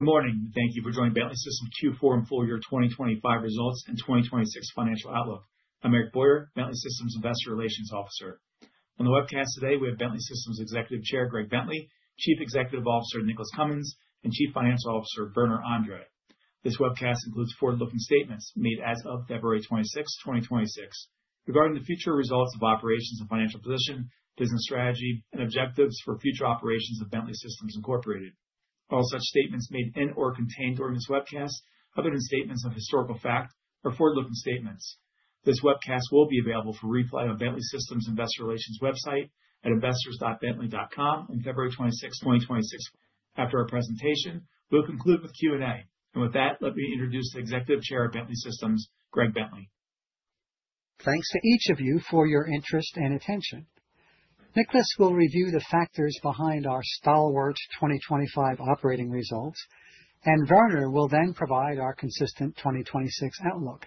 Good morning. Thank you for joining Bentley Systems Fourth Quarter and Full Year 2025 Results and 2026 Financial Outlook. I'm Eric Boyer, Bentley Systems Investor Relations Officer. On the webcast today, we have Bentley Systems Executive Chair, Greg Bentley, Chief Executive Officer, Nicholas Cumins, and Chief Financial Officer, Werner Andre. This webcast includes forward-looking statements made as of February 26th, 2026, regarding the future results of operations and financial position, business strategy, and objectives for future operations of Bentley Systems, Incorporated. All such statements made in or contained during this webcast, other than statements of historical fact, are forward-looking statements. This webcast will be available for replay on Bentley Systems Investor Relations website at investors.bentley.com on February 26th, 2026. After our presentation, we'll conclude with Q&A. With that, let me introduce the Executive Chair of Bentley Systems, Greg Bentley. Thanks to each of you for your interest and attention. Nicholas will review the factors behind our stalwart 2025 operating results, and Werner will then provide our consistent 2026 outlook.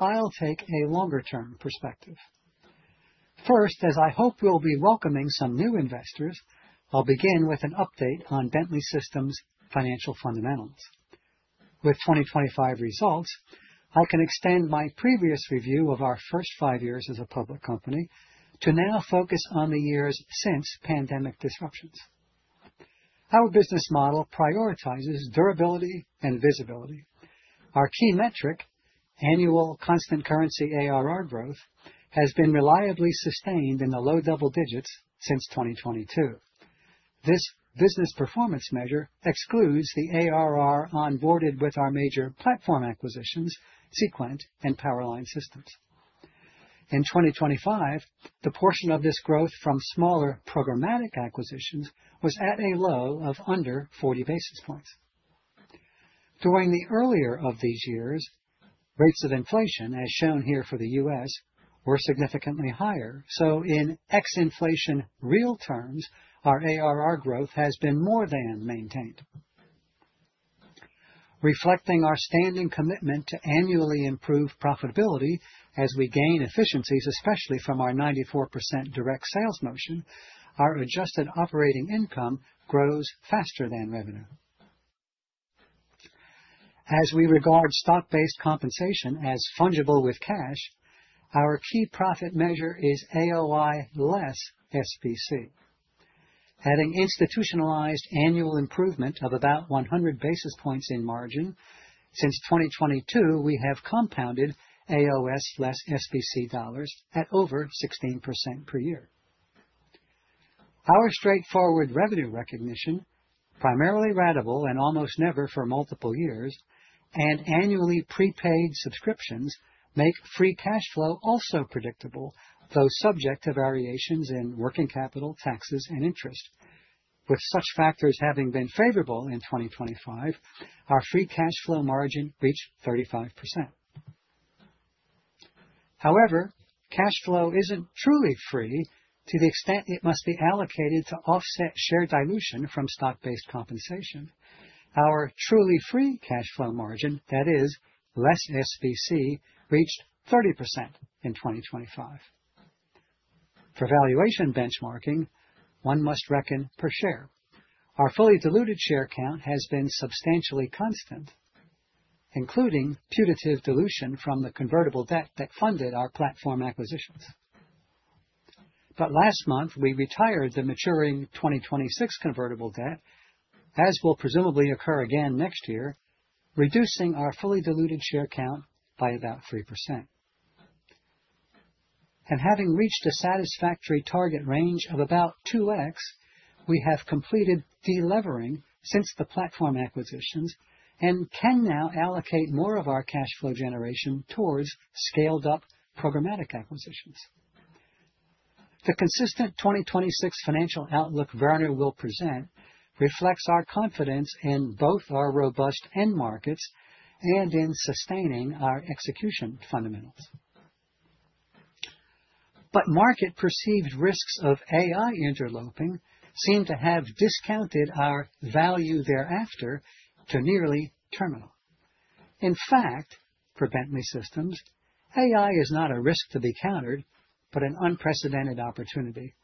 I'll take a longer-term perspective. First, as I hope you'll be welcoming some new investors, I'll begin with an update on Bentley Systems' financial fundamentals. With 2025 results, I can extend my previous review of our first five years as a public company to now focus on the years since pandemic disruptions. Our business model prioritizes durability and visibility. Our key metric, annual constant currency ARR growth, has been reliably sustained in the low double digits since 2022. This business performance measure excludes the ARR onboarded with our major platform acquisitions, Seequent and PowerLine Systems. In 2025, the portion of this growth from smaller programmatic acquisitions was at a low of under 40 basis points. During the earlier of these years, rates of inflation, as shown here for the U.S., in ex inflation real terms, our ARR growth has been more than maintained. Reflecting our standing commitment to annually improve profitability as we gain efficiencies, especially from our 94% direct sales motion, our adjusted operating income grows faster than revenue. As we regard stock-based compensation as fungible with cash, our key profit measure is AOI less SBC. Adding institutionalized annual improvement of about 100 basis points in margin, since 2022, we have compounded AOI less SBC dollars at over 16% per year. Our straightforward revenue recognition, primarily ratable and almost never for multiple years, and annually prepaid subscriptions, make free cash flow also predictable, though subject to variations in working capital, taxes, and interest. With such factors having been favorable in 2025, our free cash flow margin reached 35%. Cash flow isn't truly free to the extent it must be allocated to offset share dilution from stock-based compensation. Our truly free cash flow margin, that is, less SBC, reached 30% in 2025. For valuation benchmarking, one must reckon per share. Our fully diluted share count has been substantially constant, including putative dilution from the convertible debt that funded our platform acquisitions. Last month, we retired the maturing 2026 convertible debt, as will presumably occur again next year, reducing our fully diluted share count by about 3%. Having reached a satisfactory target range of about 2x, we have completed delevering since the platform acquisitions and can now allocate more of our cash flow generation towards scaled up programmatic acquisitions. The consistent 2026 financial outlook Werner will present reflects our confidence in both our robust end markets and in sustaining our execution fundamentals. Market-perceived risks of AI interloping seem to have discounted our value thereafter to nearly terminal. In fact, for Bentley Systems, AI is not a risk to be countered, but an unprecedented opportunity.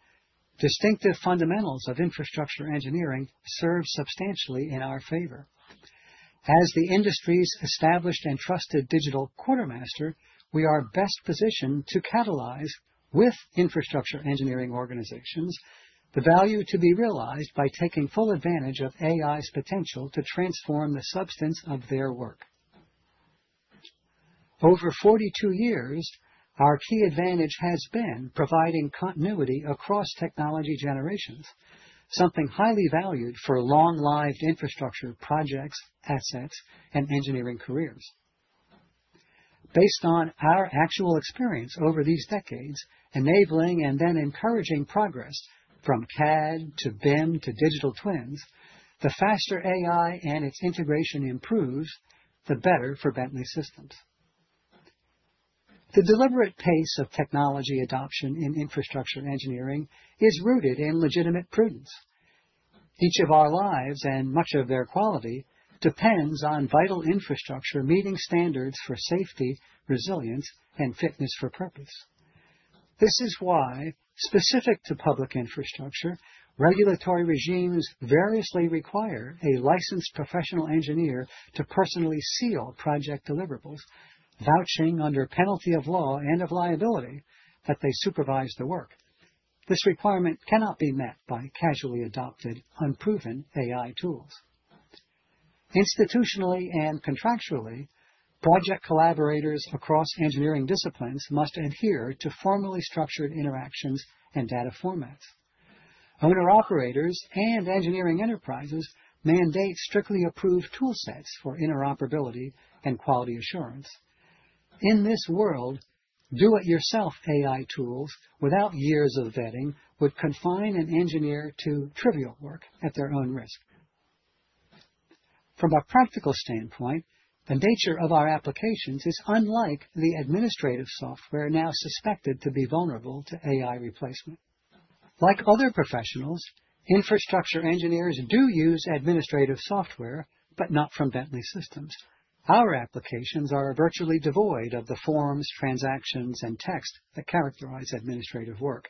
Distinctive fundamentals of infrastructure engineering serve substantially in our favor. As the industry's established and trusted digital quartermaster, we are best positioned to catalyze, with infrastructure engineering organizations, the value to be realized by taking full advantage of AI's potential to transform the substance of their work. Over 42 years, our key advantage has been providing continuity across technology generations, something highly valued for long-lived infrastructure projects, assets, and engineering careers. Based on our actual experience over these decades, enabling and then encouraging progress from CAD to BIM to digital twins, the faster AI and its integration improves, the better for Bentley Systems. The deliberate pace of technology adoption in infrastructure engineering is rooted in legitimate prudence. Each of our lives, and much of their quality, depends on vital infrastructure, meeting standards for safety, resilience, and fitness for purpose. This is why, specific to public infrastructure, regulatory regimes variously require a licensed professional engineer to personally seal project deliverables, vouching under penalty of law and of liability, that they supervise the work. This requirement cannot be met by casually adopted, unproven AI tools. Institutionally and contractually, project collaborators across engineering disciplines must adhere to formally structured interactions and data formats. Owner-operators and engineering enterprises mandate strictly approved tool sets for interoperability and quality assurance. In this world, do-it-yourself AI tools without years of vetting would confine an engineer to trivial work at their own risk. From a practical standpoint, the nature of our applications is unlike the administrative software now suspected to be vulnerable to AI replacement. Like other professionals, infrastructure engineers do use administrative software, but not from Bentley Systems. Our applications are virtually devoid of the forms, transactions, and text that characterize administrative work.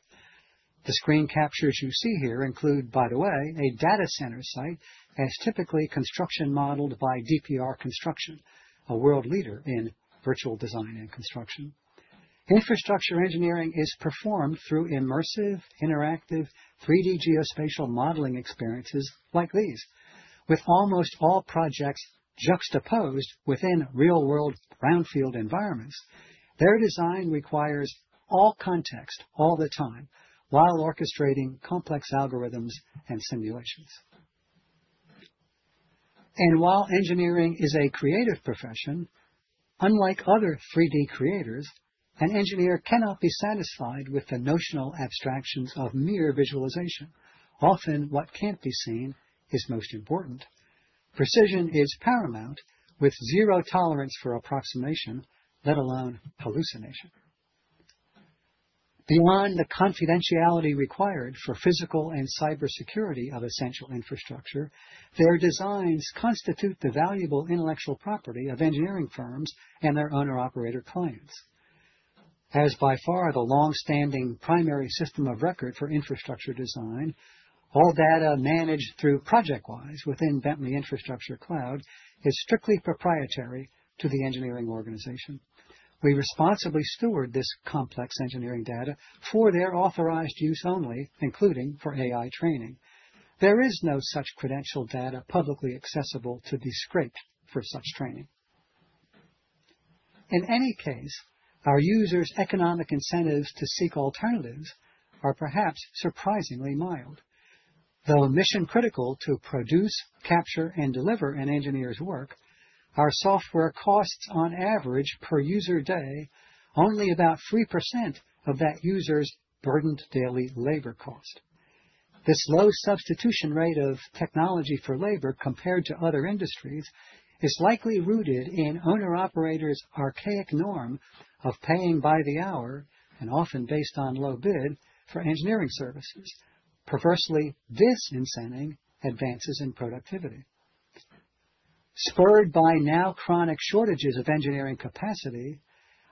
The screen captures you see here include, by the way, a data center site as typically construction modeled by DPR Construction, a world leader in virtual design and construction. Infrastructure engineering is performed through immersive, interactive, 3D geospatial modeling experiences like these. With almost all projects juxtaposed within real-world brownfield environments, their design requires all context, all the time, while orchestrating complex algorithms and simulations. While engineering is a creative profession, unlike other 3D creators, an engineer cannot be satisfied with the notional abstractions of mere visualization. Often, what can't be seen is most important. Precision is paramount, with zero tolerance for approximation, let alone hallucination. Beyond the confidentiality required for physical and cybersecurity of essential infrastructure, their designs constitute the valuable intellectual property of engineering firms and their owner-operator clients. As by far the long-standing primary system of record for infrastructure design, all data managed through ProjectWise within Bentley Infrastructure Cloud is strictly proprietary to the engineering organization. We responsibly steward this complex engineering data for their authorized use only, including for AI training. There is no such credentialed data publicly accessible to be scraped for such training. In any case, our users' economic incentives to seek alternatives are perhaps surprisingly mild. Though mission-critical to produce, capture, and deliver an engineer's work, our software costs on average per user day, only about 3% of that user's burdened daily labor cost. This low substitution rate of technology for labor compared to other industries is likely rooted in owner-operators' archaic norm of paying by the hour, and often based on low bid for engineering services. Perversely, this incenting advances in productivity. Spurred by now chronic shortages of engineering capacity,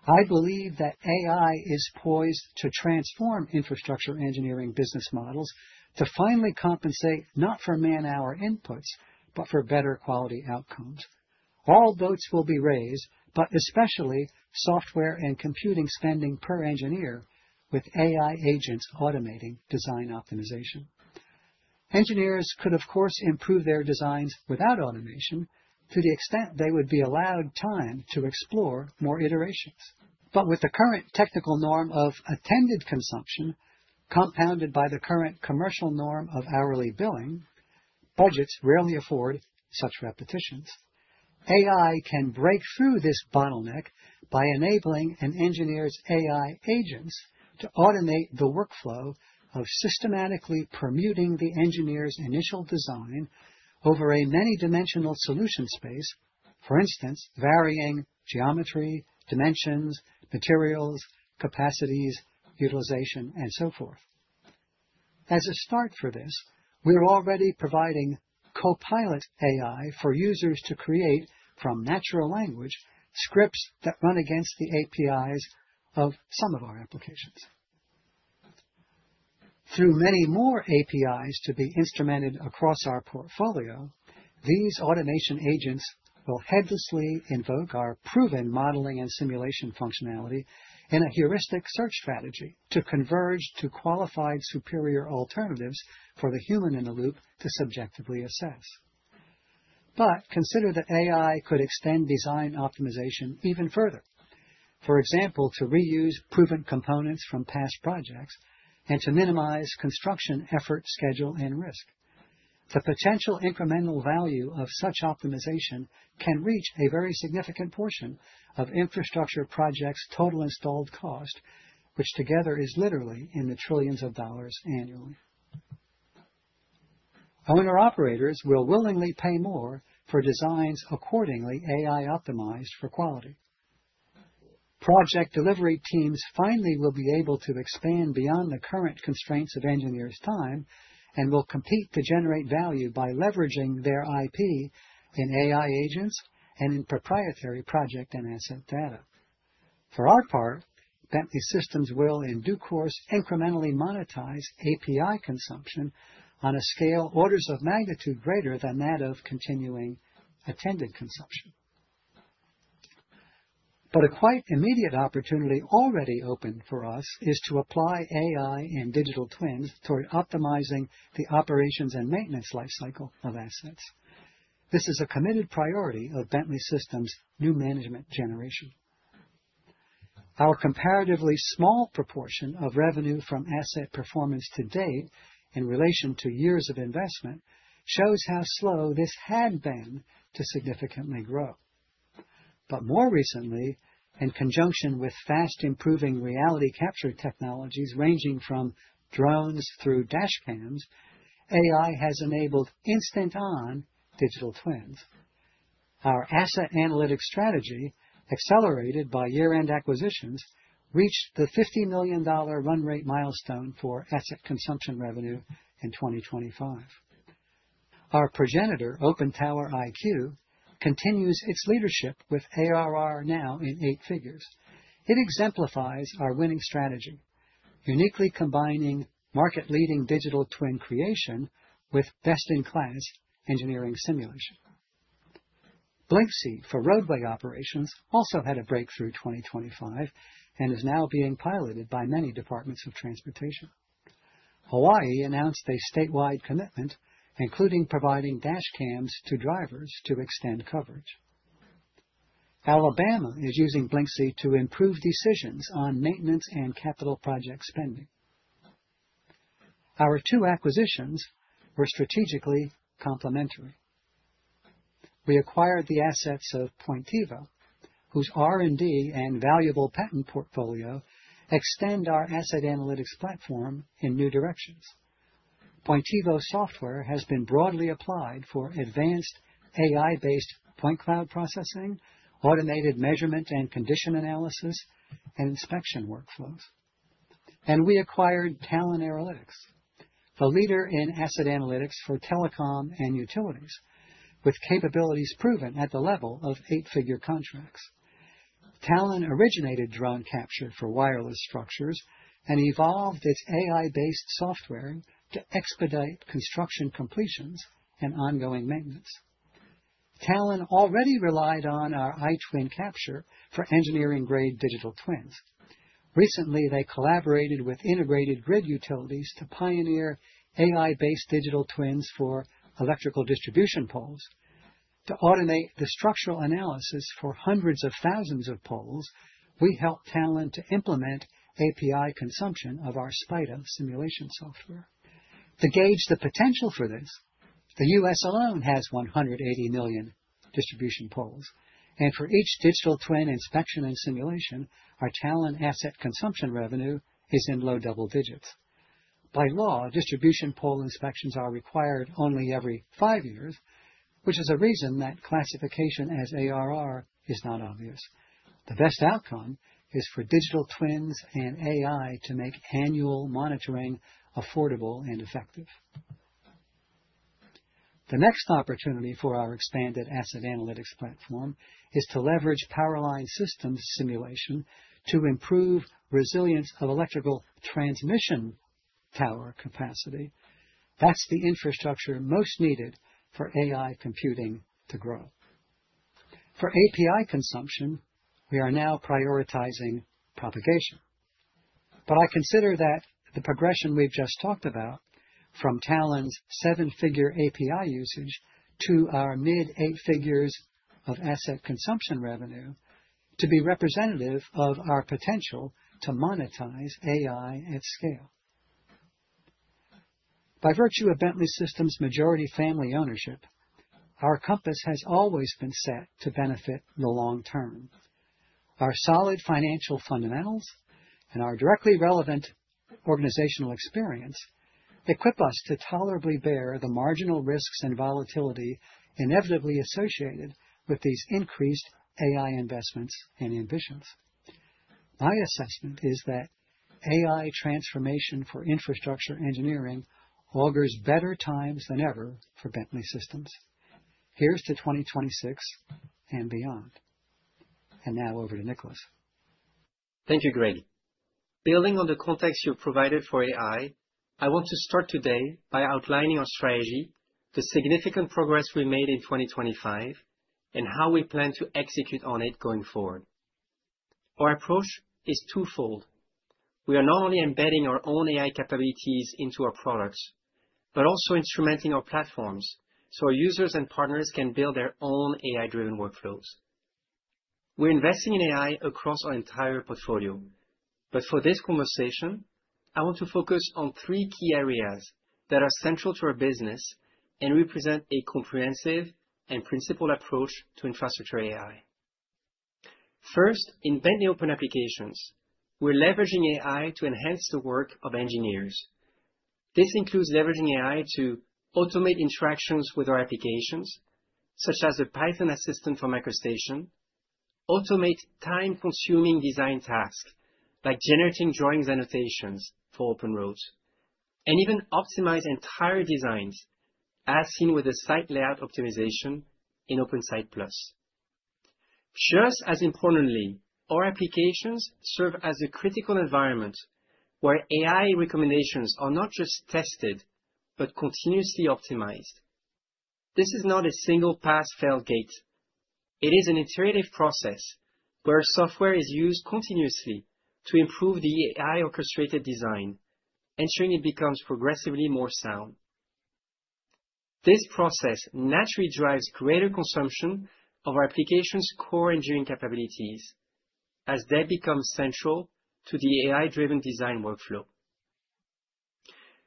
I believe that AI is poised to transform infrastructure engineering business models to finally compensate not for man-hour inputs, but for better quality outcomes. All boats will be raised, but especially software and computing spending per engineer, with AI agents automating design optimization. Engineers could, of course, improve their designs without automation to the extent they would be allowed time to explore more iterations. With the current technical norm of attended consumption, compounded by the current commercial norm of hourly billing, budgets rarely afford such repetitions. AI can break through this bottleneck by enabling an engineer's AI agents to automate the workflow of systematically permuting the engineer's initial design over a many dimensional solution space, for instance, varying geometry, dimensions, materials, capacities, utilization, and so forth. As a start for this, we are already providing Copilot AI for users to create, from natural language, scripts that run against the APIs of some of our applications. Through many more APIs to be instrumented across our portfolio, these automation agents will headlessly invoke our proven modeling and simulation functionality in a heuristic search strategy to converge to qualified, superior alternatives for the human in the loop to subjectively assess. Consider that AI could extend design optimization even further. For example, to reuse proven components from past projects and to minimize construction effort, schedule, and risk. The potential incremental value of such optimization can reach a very significant portion of infrastructure projects' total installed cost, which together is literally in the trillions of dollars annually. Owner-operators will willingly pay more for designs accordingly, AI-optimized for quality. Project delivery teams finally will be able to expand beyond the current constraints of engineers' time and will compete to generate value by leveraging their IP in AI agents and in proprietary project and asset data. For our part, Bentley Systems will, in due course, incrementally monetize API consumption on a scale orders of magnitude greater than that of continuing attended consumption. A quite immediate opportunity already open for us is to apply AI and digital twins toward optimizing the operations and maintenance life cycle of assets. This is a committed priority of Bentley Systems' new management generation. Our comparatively small proportion of revenue from asset performance to date, in relation to years of investment, shows how slow this had been to significantly grow. More recently, in conjunction with fast-improving reality capture technologies ranging from drones through dash cams, AI has enabled instant-on digital twins. Our Asset Analytics strategy, accelerated by year-end acquisitions, reached the $50 million run rate milestone for asset consumption revenue in 2025. Our progenitor, OpenTower iQ, continues its leadership with ARR now in eight figures. It exemplifies our winning strategy, uniquely combining market-leading digital twin creation with best-in-class engineering simulation. Blyncsy for roadway operations also had a breakthrough 2025 and is now being piloted by many departments of transportation. Hawaii announced a statewide commitment, including providing dash cams to drivers to extend coverage. Alabama is using Blyncsy to improve decisions on maintenance and capital project spending. Our two acquisitions were strategically complementary. We acquired the assets of Pointivo, whose R&D and valuable patent portfolio extend our Asset Analytics platform in new directions. Pointivo software has been broadly applied for advanced AI-based point cloud processing, automated measurement and condition analysis, and inspection workflows. We acquired Talon Aerolytics, the leader in asset analytics for telecom and utilities, with capabilities proven at the level of eight figure contracts. Talon originated drone capture for wireless structures and evolved its AI-based software to expedite construction completions and ongoing maintenance. Talon already relied on our iTwin Capture for engineering-grade digital twins. Recently, they collaborated with integrated grid utilities to pioneer AI-based digital twins for electrical distribution poles. To automate the structural analysis for hundreds of thousands of poles, we helped Talon to implement API consumption of our SPIDA simulation software. To gauge the potential for this, the U.S. alone has 180 million distribution poles, and for each digital twin inspection and simulation, our Talon asset consumption revenue is in low double digits. By law, distribution pole inspections are required only every five years, which is a reason that classification as ARR is not obvious. The best outcome is for digital twins and AI to make annual monitoring affordable and effective. The next opportunity for our expanded Bentley Asset Analytics platform is to leverage Power Line Systems simulation to improve resilience of electrical transmission tower capacity. That's the infrastructure most needed for AI computing to grow. For API consumption, we are now prioritizing propagation. But I consider that the progression we've just talked about, from Talon's $7-figure API usage to our dollar mid-eight figures of asset consumption revenue, to be representative of our potential to monetize AI at scale. By virtue of Bentley Systems' majority family ownership, our compass has always been set to benefit the long term. Our solid financial fundamentals and our directly relevant organizational experience equip us to tolerably bear the marginal risks and volatility inevitably associated with these increased AI investments and ambitions. My assessment is that AI transformation for infrastructure engineering augurs better times than ever for Bentley Systems. Here's to 2026 and beyond. Now over to Nicholas. Thank you, Greg. Building on the context you provided for AI, I want to start today by outlining our strategy, the significant progress we made in 2025, and how we plan to execute on it going forward. Our approach is twofold. We are not only embedding our own AI capabilities into our products, but also instrumenting our platforms, so our users and partners can build their own AI-driven workflows. We're investing in AI across our entire portfolio, but for this conversation, I want to focus on three key areas that are central to our business and represent a comprehensive and principled approach to Infrastructure AI. First, in Bentley Open Applications, we're leveraging AI to enhance the work of engineers. This includes leveraging AI to automate interactions with our applications, such as a Python assistant for MicroStation, automate time-consuming design tasks, like generating drawings annotations for OpenRoads.... Even optimize entire designs, as seen with the site layout optimization in OpenSite+. Just as importantly, our applications serve as a critical environment where AI recommendations are not just tested, but continuously optimized. This is not a single pass-fail gate. It is an iterative process, where software is used continuously to improve the AI-orchestrated design, ensuring it becomes progressively more sound. This process naturally drives greater consumption of our application's core engineering capabilities as they become central to the AI-driven design workflow.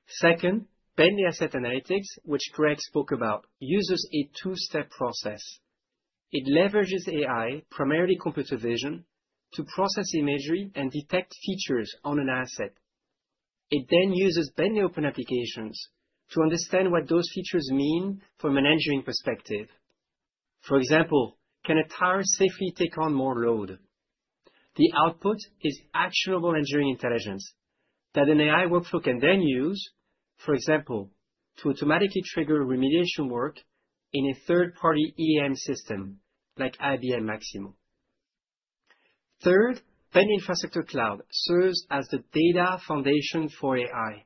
Second, Bentley Asset Analytics, which Greg spoke about, uses a two step process. It leverages AI, primarily computer vision, to process imagery and detect features on an asset. It then uses Bentley Open Applications to understand what those features mean from an engineering perspective. For example, can a tower safely take on more load? The output is actionable engineering intelligence that an AI workflow can then use, for example, to automatically trigger remediation work in a third-party EAM system, like IBM Maximo. Third, Bentley Infrastructure Cloud serves as the data foundation for AI.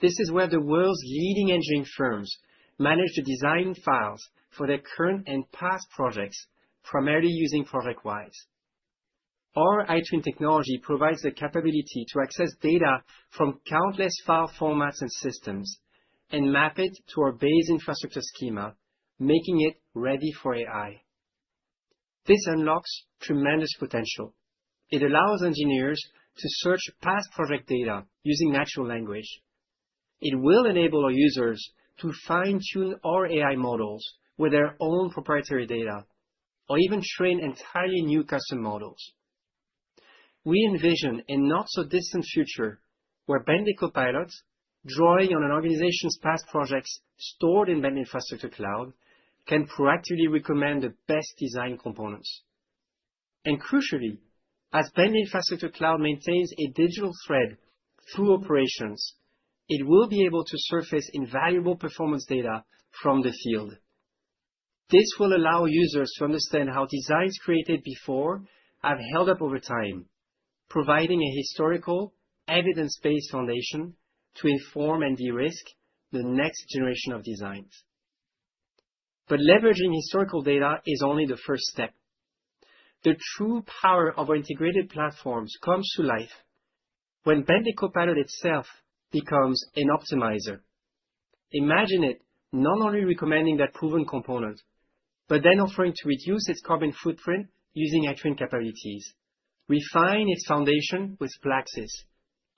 This is where the world's leading engineering firms manage the design files for their current and past projects, primarily using ProjectWise. Our iTwin technology provides the capability to access data from countless file formats and systems, and map it to our Base Infrastructure Schema, making it ready for AI. This unlocks tremendous potential. It allows engineers to search past project data using natural language. It will enable our users to fine-tune our AI models with their own proprietary data, or even train entirely new custom models. We envision a not-so-distant future where Bentley Copilot, drawing on an organization's past projects stored in Bentley Infrastructure Cloud, can proactively recommend the best design components. Crucially, as Bentley Infrastructure Cloud maintains a digital thread through operations, it will be able to surface invaluable performance data from the field. This will allow users to understand how designs created before have held up over time, providing a historical, evidence-based foundation to inform and de-risk the next generation of designs. Leveraging historical data is only the first step. The true power of our integrated platforms comes to life when Bentley Copilot itself becomes an optimizer. Imagine it not only recommending that proven component, but then offering to reduce its carbon footprint using iTwin capabilities, refine its foundation with Plaxis,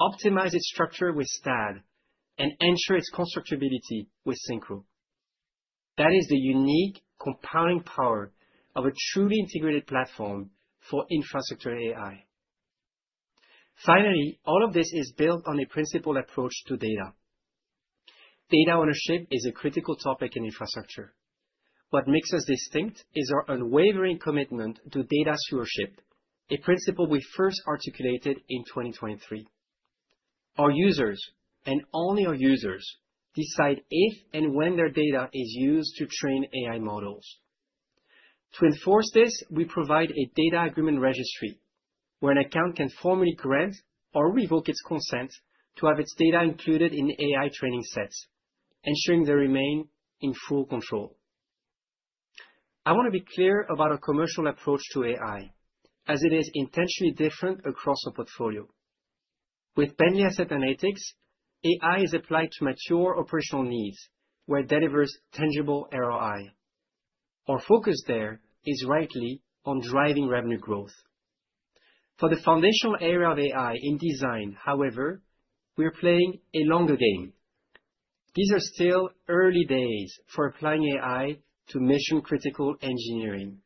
optimize its structure with STAAD, and ensure its constructability with Synchro. That is the unique, compelling power of a truly integrated platform for Infrastructure AI. All of this is built on a principled approach to data. Data ownership is a critical topic in infrastructure. What makes us distinct is our unwavering commitment to data stewardship, a principle we first articulated in 2023. Our users, and only our users, decide if and when their data is used to train AI models. To enforce this, we provide a Data Agreement Registry, where an account can formally grant or revoke its consent to have its data included in the AI training sets, ensuring they remain in full control. I want to be clear about our commercial approach to AI, as it is intentionally different across our portfolio. With Bentley Asset Analytics, AI is applied to mature operational needs, where it delivers tangible ROI. Our focus there is rightly on driving revenue growth. For the foundational area of AI in design, however, we are playing a longer game. These are still early days for applying AI to mission-critical engineering.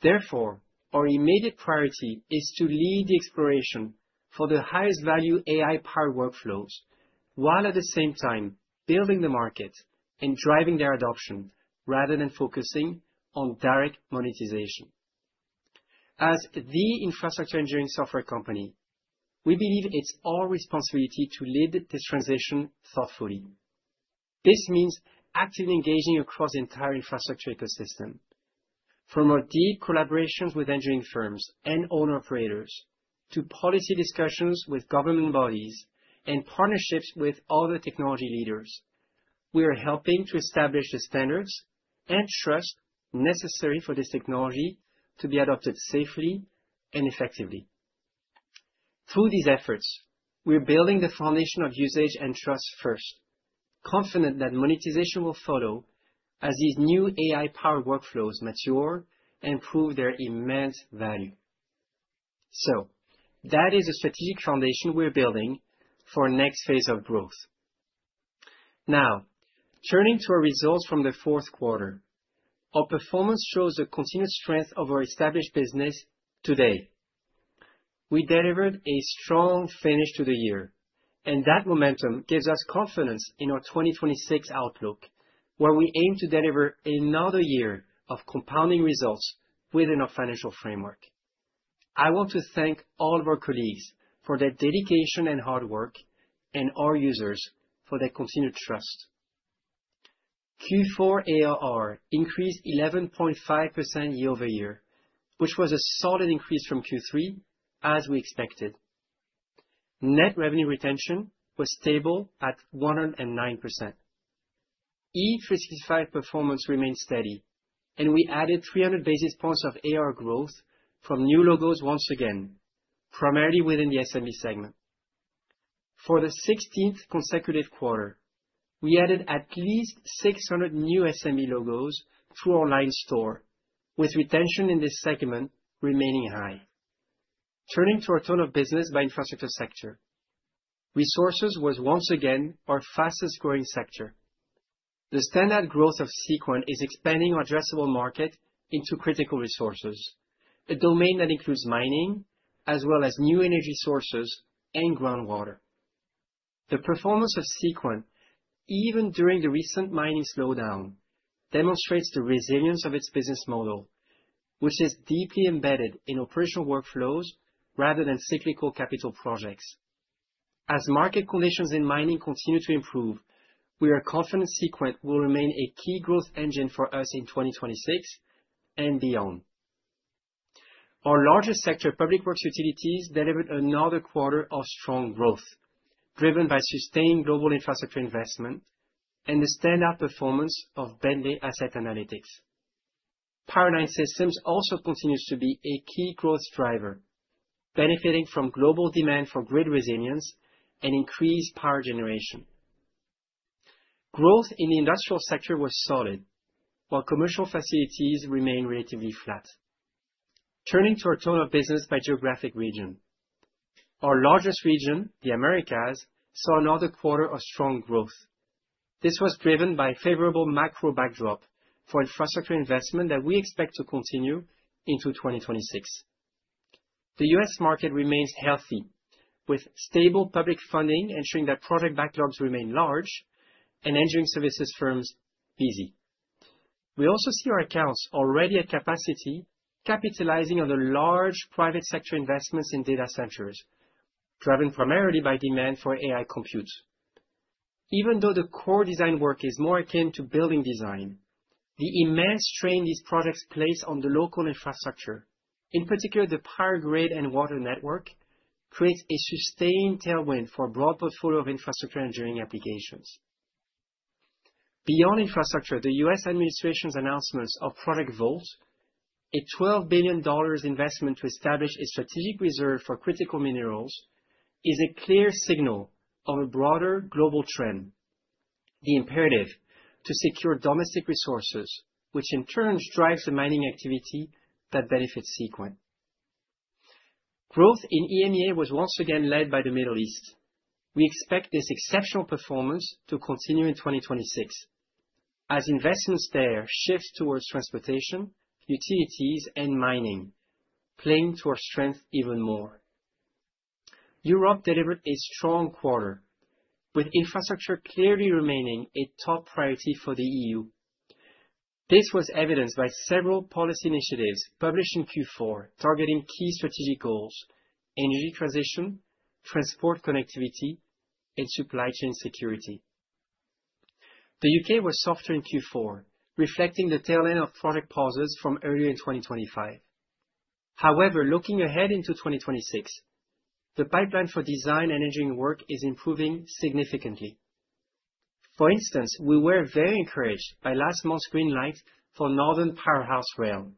Therefore, our immediate priority is to lead the exploration for the highest-value AI-powered workflows, while at the same time building the market and driving their adoption, rather than focusing on direct monetization. As the infrastructure engineering software company, we believe it's our responsibility to lead the transition thoughtfully. This means actively engaging across the entire infrastructure ecosystem. From our deep collaborations with engineering firms and owner-operators, to policy discussions with government bodies and partnerships with other technology leaders, we are helping to establish the standards and trust necessary for this technology to be adopted safely and effectively. Through these efforts, we're building the foundation of usage and trust first, confident that monetization will follow as these new AI-powered workflows mature and prove their immense value. That is the strategic foundation we're building for our next phase of growth. Turning to our results from the fourth quarter. Our performance shows the continuous strength of our established business today. We delivered a strong finish to the year. That momentum gives us confidence in our 2026 outlook, where we aim to deliver another year of compounding results within our financial framework. I want to thank all of our colleagues for their dedication and hard work, and our users for their continued trust. Q4 ARR increased 11.5% year-over-year, which was a solid increase from Q3, as we expected. Net revenue retention was stable at 109%. E365 performance remained steady. We added 300 basis points of ARR growth from new logos once again, primarily within the SMB segment. For the 16th consecutive quarter, we added at least 600 new SMB logos through our online store, with retention in this segment remaining high. Turning to our tone of business by infrastructure sector. Resources was once again our fastest growing sector. The standard growth of Seequent is expanding our addressable market into critical resources, a domain that includes mining, as well as new energy sources and groundwater. The performance of Seequent, even during the recent mining slowdown, demonstrates the resilience of its business model, which is deeply embedded in operational workflows rather than cyclical capital projects. As market conditions in mining continue to improve, we are confident Seequent will remain a key growth engine for us in 2026 and beyond. Our largest sector, public works utilities, delivered another quarter of strong growth, driven by sustained global infrastructure investment and the standout performance of Bentley Asset Analytics. Power Line Systems also continues to be a key growth driver, benefiting from global demand for grid resilience and increased power generation. Growth in the industrial sector was solid, while commercial facilities remained relatively flat. Turning to our tone of business by geographic region. Our largest region, the Americas, saw another quarter of strong growth. This was driven by favorable macro backdrop for infrastructure investment that we expect to continue into 2026. The U.S. market remains healthy, with stable public funding, ensuring that project backlogs remain large and engineering services firms busy. We also see our accounts already at capacity, capitalizing on the large private sector investments in data centers, driven primarily by demand for AI compute. Even though the core design work is more akin to building design, the immense strain these products place on the local infrastructure, in particular, the power grid and water network, creates a sustained tailwind for a broad portfolio of infrastructure engineering applications. Beyond infrastructure, the U.S. administration's announcements of Project Vault, a $12 billion investment to establish a strategic reserve for critical minerals, is a clear signal of a broader global trend, the imperative to secure domestic resources, which in turn drives the mining activity that benefits Seequent. Growth in EMEA was once again led by the Middle East. We expect this exceptional performance to continue in 2026, as investments there shift towards transportation, utilities, and mining, playing to our strength even more. Europe delivered a strong quarter, with infrastructure clearly remaining a top priority for the EU. This was evidenced by several policy initiatives published in Q4, targeting key strategic goals, energy transition, transport connectivity, and supply chain security. The U.K. was softer in Q4, reflecting the tail end of product pauses from earlier in 2025. Looking ahead into 2026, the pipeline for design and engineering work is improving significantly. We were very encouraged by last month's green light for Northern Powerhouse Rail.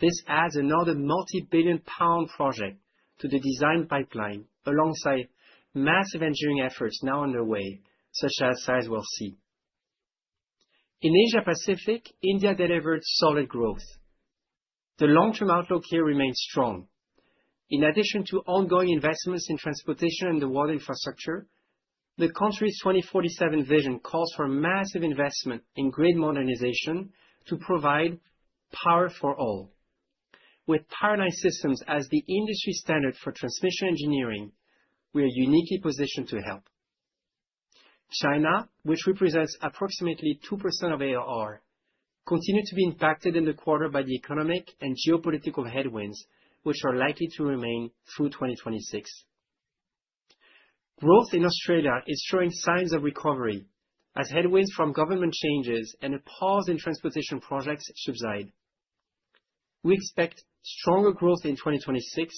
This adds another multi-billion GBP project to the design pipeline, alongside massive engineering efforts now underway, such as Sizewell C. In Asia Pacific, India delivered solid growth. The long-term outlook here remains strong. In addition to ongoing investments in transportation and the water infrastructure, the country's 2047 vision calls for massive investment in grid modernization to provide power for all. With Power Line Systems as the industry standard for transmission engineering, we are uniquely positioned to help. China, which represents approximately 2% of ARR, continued to be impacted in the quarter by the economic and geopolitical headwinds, which are likely to remain through 2026. Growth in Australia is showing signs of recovery, as headwinds from government changes and a pause in transportation projects subside. We expect stronger growth in 2026,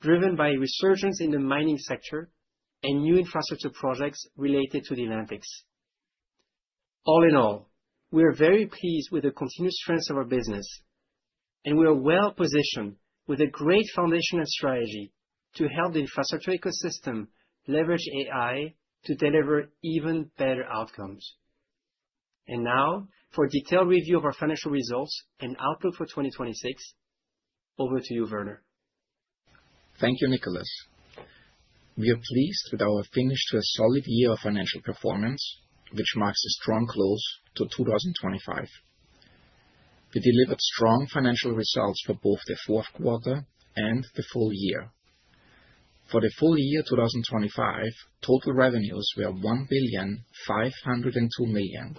driven by a resurgence in the mining sector and new infrastructure projects related to the Olympics. All in all, we are very pleased with the continued strength of our business, and we are well positioned with a great foundational strategy to help the infrastructure ecosystem leverage AI to deliver even better outcomes. Now, for a detailed review of our financial results and outlook for 2026, over to you, Werner. Thank you, Nicholas. We are pleased with our finish to a solid year of financial performance, which marks a strong close to 2025. We delivered strong financial results for both the fourth quarter and the full year. For the full year 2025, total revenues were $1,502 million,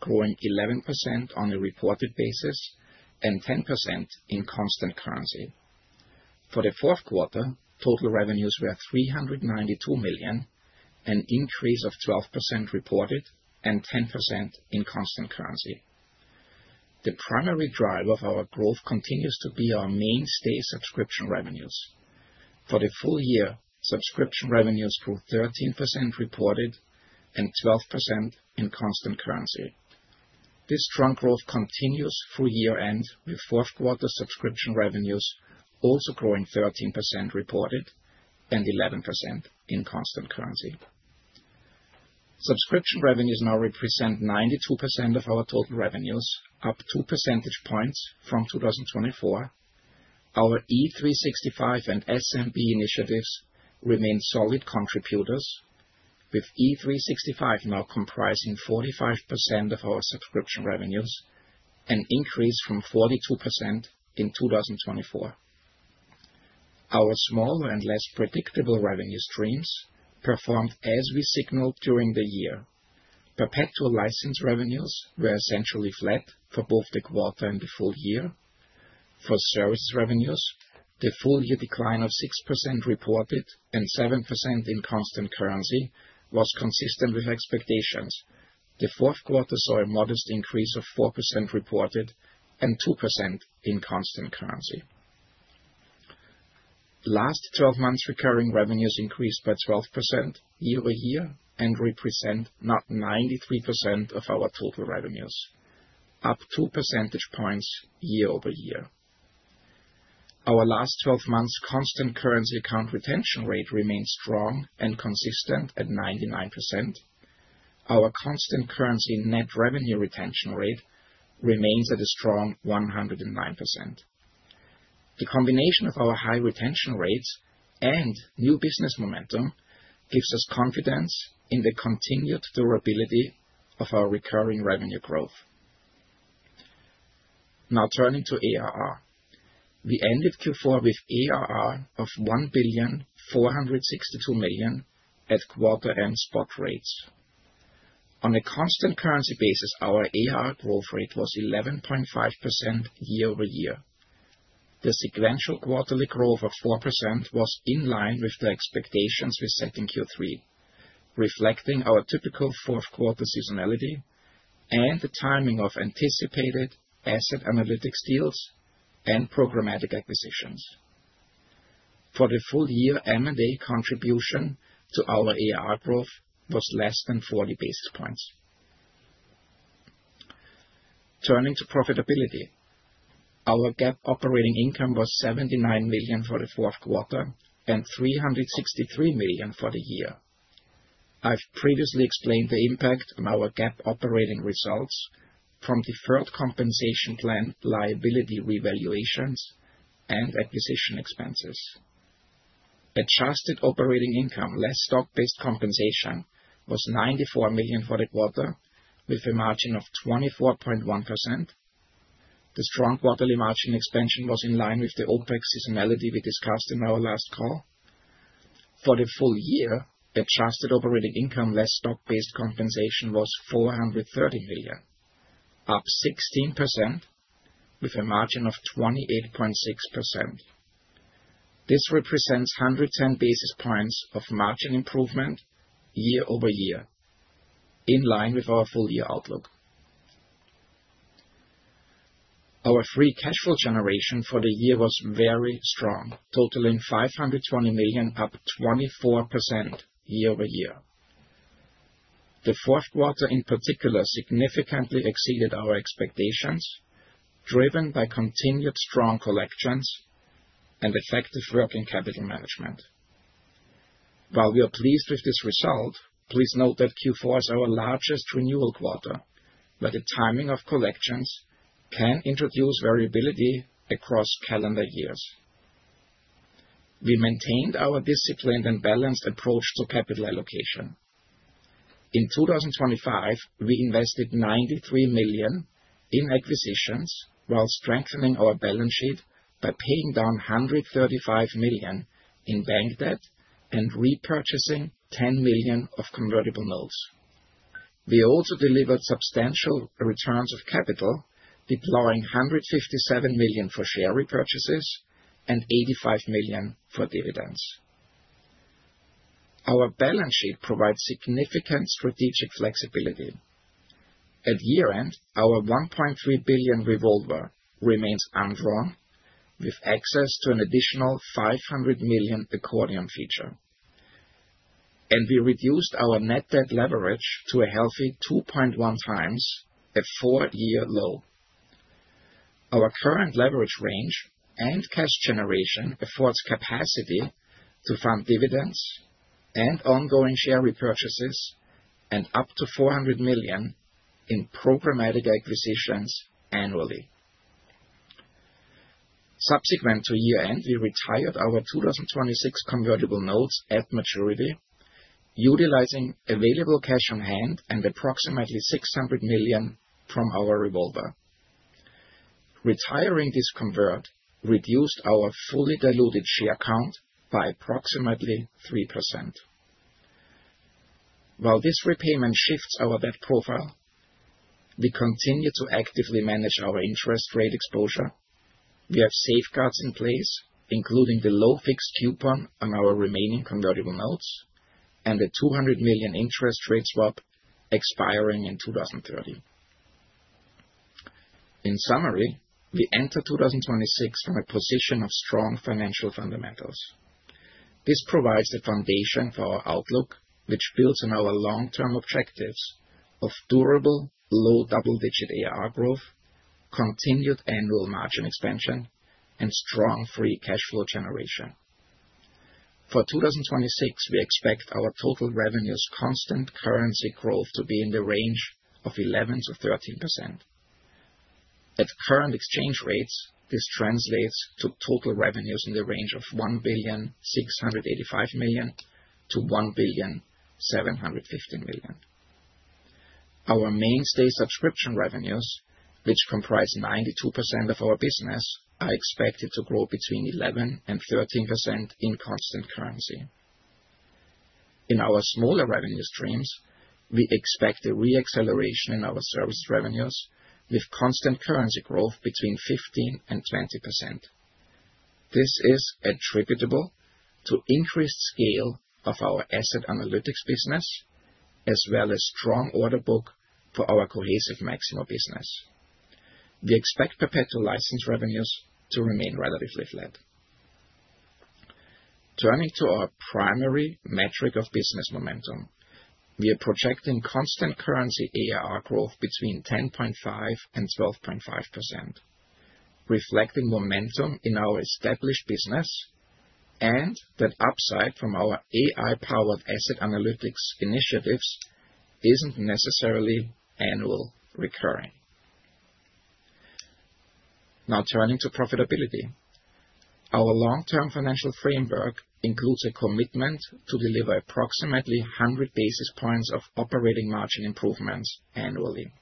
growing 11% on a reported basis and 10% in constant currency. For the fourth quarter, total revenues were $392 million, an increase of 12% reported and 10% in constant currency. The primary driver of our growth continues to be our mainstay subscription revenues. For the full year, subscription revenues grew 13% reported and 12% in constant currency. This strong growth continues through year-end, with fourth quarter subscription revenues also growing 13% reported and 11% in constant currency. Subscription revenues now represent 92% of our total revenues, up 2% from 2024. Our E365 and SMB initiatives remain solid contributors, with E365 now comprising 45% of our subscription revenues, an increase from 42% in 2024. Our smaller and less predictable revenue streams performed as we signaled during the year. Perpetual license revenues were essentially flat for both the quarter and the full year. For service revenues, the full year decline of 6% reported and 7% in constant currency was consistent with expectations. The fourth quarter saw a modest increase of 4% reported and 2% in constant currency. Last 12 Months recurring revenues increased by 12% year-over-year and represent now 93% of our total revenues, up 2% year-over-year. Our Last Twelve Months constant currency account retention rate remains strong and consistent at 99%. Our constant currency net revenue retention rate remains at a strong 109%. The combination of our high retention rates and new business momentum gives us confidence in the continued durability of our recurring revenue growth. Turning to ARR. We ended Q4 with ARR of $1.462 billion at quarter end spot rates. On a constant currency basis, our ARR growth rate was 11.5% year-over-year. The sequential quarterly growth of 4% was in line with the expectations we set in Q3, reflecting our typical fourth quarter seasonality and the timing of anticipated asset analytics deals and programmatic acquisitions. For the full year, M&A contribution to our ARR growth was less than 40 basis points. Turning to profitability. Our GAAP operating income was $79 million for the fourth quarter and $363 million for the year. I've previously explained the impact on our GAAP operating results from deferred compensation plan, liability revaluations, and acquisition expenses. Adjusted operating income, less stock-based compensation, was $94 million for the quarter, with a margin of 24.1%. The strong quarterly margin expansion was in line with the OpEx seasonality we discussed in our last call. For the full year, adjusted operating income, less stock-based compensation, was $430 million, up 16% with a margin of 28.6%. This represents 110 basis points of margin improvement year-over-year, in line with our full year outlook. Our free cash flow generation for the year was very strong, totaling $520 million, up 24% year-over-year. The fourth quarter, in particular, significantly exceeded our expectations, driven by continued strong collections and effective working capital management. While we are pleased with this result, please note that Q4 is our largest renewal quarter. The timing of collections can introduce variability across calendar years. We maintained our disciplined and balanced approach to capital allocation. In 2025, we invested $93 million in acquisitions while strengthening our balance sheet by paying down $135 million in bank debt and repurchasing $10 million of convertible notes. We also delivered substantial returns of capital, deploying $157 million for share repurchases and $85 million for dividends. Our balance sheet provides significant strategic flexibility. At year-end, our $1.3 billion revolver remains undrawn, with access to an additional $500 million accordion feature. We reduced our net debt leverage to a healthy 2.1x, a four year low. Our current leverage range and cash generation affords capacity to fund dividends and ongoing share repurchases, and up to $400 million in programmatic acquisitions annually. Subsequent to year-end, we retired our 2026 convertible notes at maturity, utilizing available cash on hand and approximately $600 million from our revolver. Retiring this convert reduced our fully diluted share count by approximately 3%. While this repayment shifts our debt profile, we continue to actively manage our interest rate exposure. We have safeguards in place, including the low fixed coupon on our remaining convertible notes and a $200 million interest rate swap expiring in 2030. In summary, we enter 2026 from a position of strong financial fundamentals. This provides the foundation for our outlook, which builds on our long-term objectives of durable, low double-digit AR growth, continued annual margin expansion, and strong free cash flow generation. For 2026, we expect our total revenues constant currency growth to be in the range of 11%-13%. At current exchange rates, this translates to total revenues in the range of $1.685 billion-$1.715 billion. Our mainstay subscription revenues, which comprise 92% of our business, are expected to grow between 11% and 13% in constant currency. In our smaller revenue streams, we expect a re-acceleration in our service revenues with constant currency growth between 15% and 20%. This is attributable to increased scale of our Asset Analytics business, as well as strong order book for our Cohesive Maximo business. We expect perpetual license revenues to remain relatively flat. Turning to our primary metric of business momentum, we are projecting constant currency AR growth between 10.5% and 12.5%, reflecting momentum in our established business, and that upside from our AI-powered Asset Analytics initiatives isn't necessarily annual recurring. Turning to profitability. Our long-term financial framework includes a commitment to deliver approximately 100 basis points of operating margin improvements annually.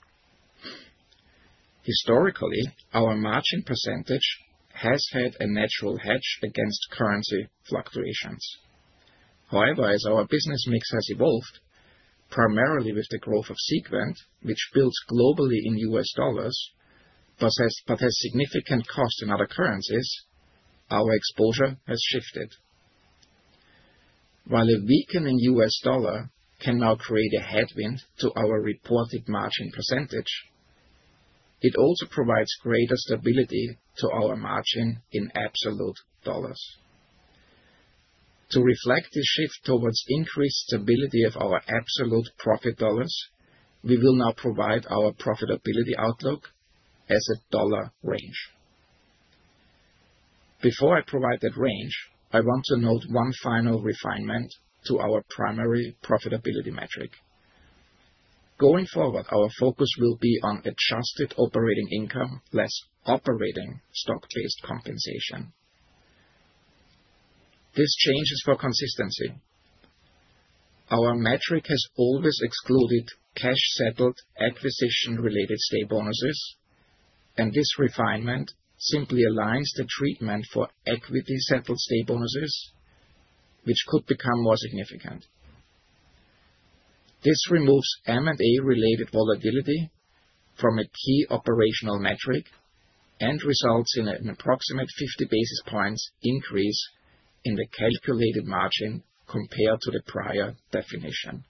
Historically, our margin percentage has had a natural hedge against currency fluctuations. However, as our business mix has evolved, primarily with the growth of Seequent, which builds globally in U.S. dollars, but has significant cost in other currencies, our exposure has shifted. While a weakening US dollar can now create a headwind to our reported margin %, it also provides greater stability to our margin in absolute dollars. To reflect this shift towards increased stability of our absolute profit dollars, we will now provide our profitability outlook as a dollar range. Before I provide that range, I want to note one final refinement to our primary profitability metric. Going forward, our focus will be on Adjusted operating income less operating stock-based compensation. This change is for consistency. Our metric has always excluded cash-settled, acquisition-related stay bonuses, and this refinement simply aligns the treatment for equity-settled stay bonuses, which could become more significant. This removes M&A-related volatility from a key operational metric and results in an approximate 50 basis points increase in the calculated margin compared to the prior definition.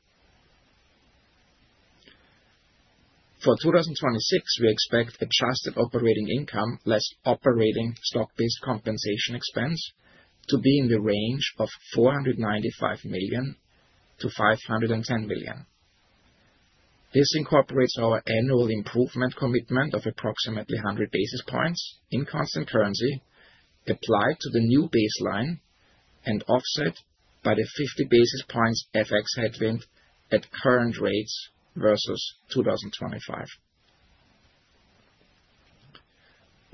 For 2026, we expect Adjusted operating income less operating stock-based compensation expense to be in the range of $495 million-$510 million. This incorporates our annual improvement commitment of approximately 100 basis points in constant currency, applied to the new baseline and offset by the 50 basis points FX headwind at current rates versus 2025.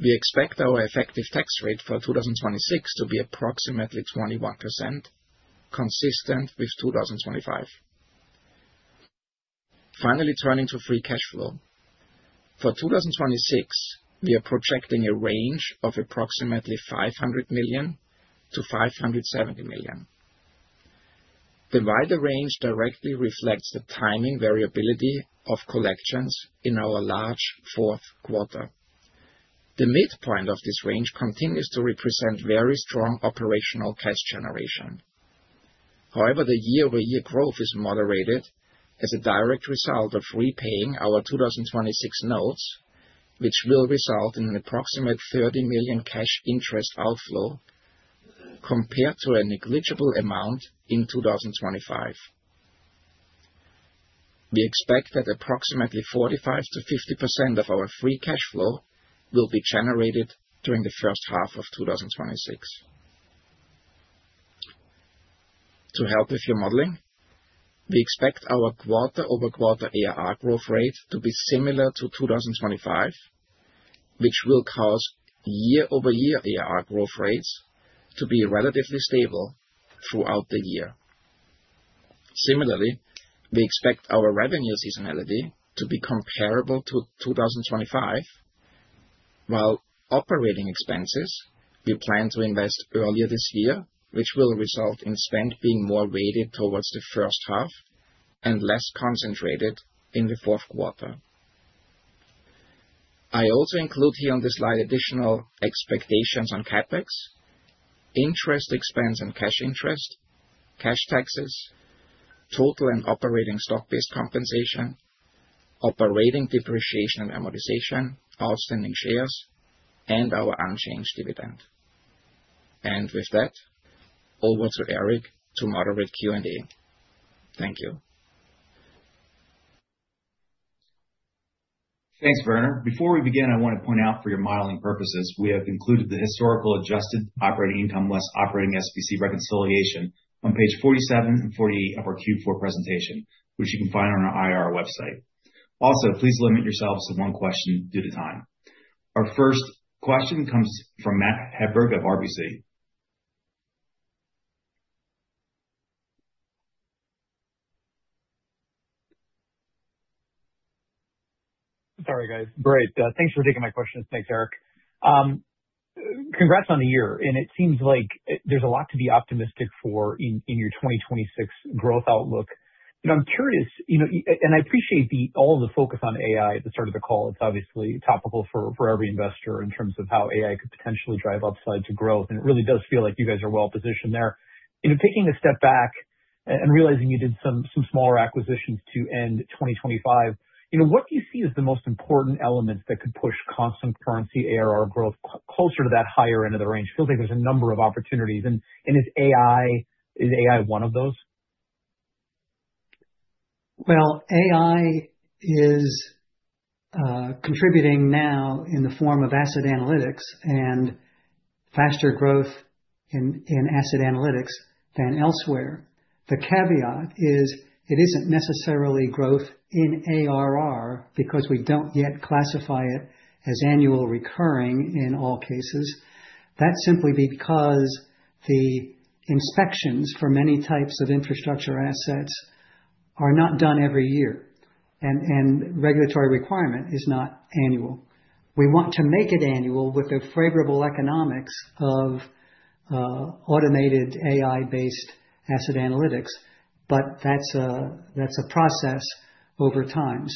We expect our effective tax rate for 2026 to be approximately 21%, consistent with 2025. Finally, turning to free cash flow. For 2026, we are projecting a range of approximately $500 million-$570 million. The wider range directly reflects the timing variability of collections in our large fourth quarter. The midpoint of this range continues to represent very strong operational cash generation. The year-over-year growth is moderated as a direct result of repaying our 2026 notes, which will result in an approximate $30 million cash interest outflow, compared to a negligible amount in 2025. We expect that approximately 45%-50% of our free cash flow will be generated during the first half of 2026. To help with your modeling, we expect our quarter-over-quarter AR growth rate to be similar to 2025, which will cause year-over-year AR growth rates to be relatively stable throughout the year. similarly, we expect our revenue seasonality to be comparable to 2025, while operating expenses, we plan to invest earlier this year, which will result in spend being more weighted towards the first half and less concentrated in the fourth quarter. I also include here on this slide additional expectations on CapEx, interest expense and cash interest, cash taxes, total and operating stock-based compensation, operating depreciation and amortization, outstanding shares, and our unchanged dividend. With that, over to Eric to moderate Q&A. Thank you. Thanks, Werner. Before we begin, I want to point out for your modeling purposes, we have included the historical Adjusted Operating Income less Operating SBC reconciliation on page 47 and 48 of our Q4 presentation, which you can find on our IR website. Please limit yourselves to one question due to time. Our first question comes from Matthew Hedberg of RBC. Sorry, guys. Great. Thanks for taking my question. Thanks, Eric. Congrats on the year, and it seems like there's a lot to be optimistic for in your 2026 growth outlook. I'm curious, you know, and I appreciate the all the focus on AI at the start of the call. It's obviously topical for every investor in terms of how AI could potentially drive upside to growth, and it really does feel like you guys are well positioned there. You know, taking a step back and realizing you did some smaller acquisitions to end 2025, you know, what do you see as the most important elements that could push constant currency ARR growth closer to that higher end of the range? Feels like there's a number of opportunities, and is AI one of those? AI is contributing now in the form of asset analytics and faster growth in asset analytics than elsewhere. The caveat is it isn't necessarily growth in ARR because we don't yet classify it as annual recurring in all cases. That's simply because the inspections for many types of infrastructure assets are not done every year, and regulatory requirement is not annual. We want to make it annual with the favorable economics of automated AI-based asset analytics, but that's a process over time.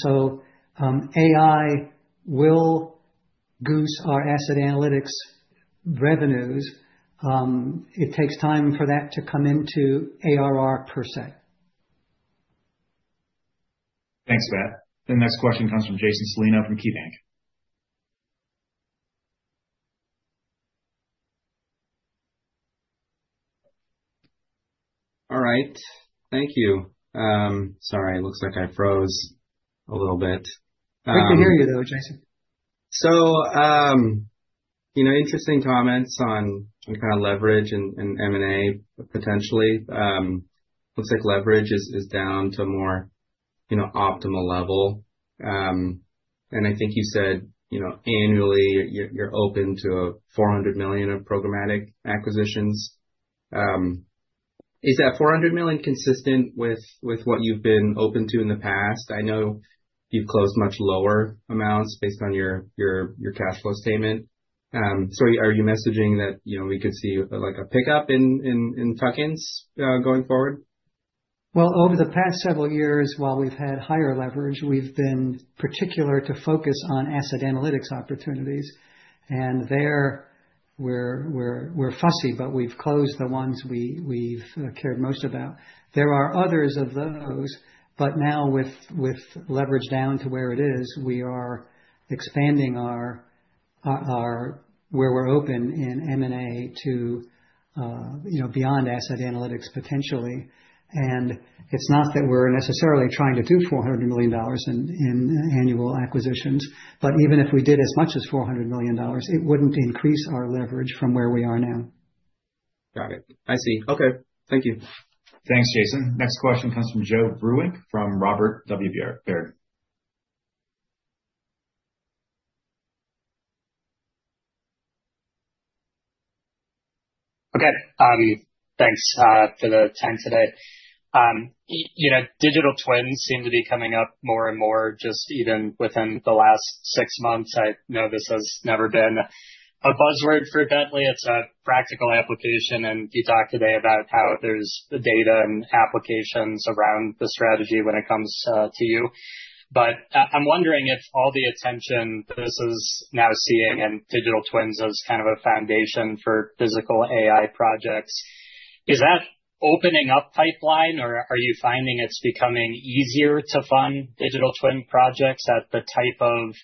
AI will goose our asset analytics revenues. It takes time for that to come into ARR per se. Thanks, Matt. The next question comes from Jason Celino from KeyBank. All right. Thank you. Sorry, it looks like I froze a little bit. Good to hear you, though, Jason. You know, interesting comments on the kind of leverage and M&A, potentially. Looks like leverage is down to a more, you know, optimal level. I think you said, you know, annually, you're open to $400 million of programmatic acquisitions. Is that $400 million consistent with what you've been open to in the past? I know you've closed much lower amounts based on your cash flow statement. Are you messaging that, you know, we could see, like, a pickup in tuck-ins going forward? Over the past several years, while we've had higher leverage, we've been particular to focus on asset analytics opportunities, and there we're fussy, but we've closed the ones we've cared most about. There are others of those, but now with leverage down to where it is, we are expanding our where we're open in M&A to, you know, beyond asset analytics, potentially. It's not that we're necessarily trying to do $400 million in annual acquisitions, but even if we did as much as $400 million, it wouldn't increase our leverage from where we are now. Got it. I see. Okay. Thank you. Thanks, Jason. Next question comes from Joe Vruwink from Robert W. Baird. Okay. Thanks for the time today. You know, digital twins seem to be coming up more and more just even within the last six months. I know this has never been a buzzword for Bentley. It's a practical application, and you talked today about how there's the data and applications around the strategy when it comes to you. But I'm wondering if all the attention this is now seeing in digital twins as kind of a foundation for physical AI projects, is that opening up pipeline, or are you finding it's becoming easier to fund digital twin projects at the type of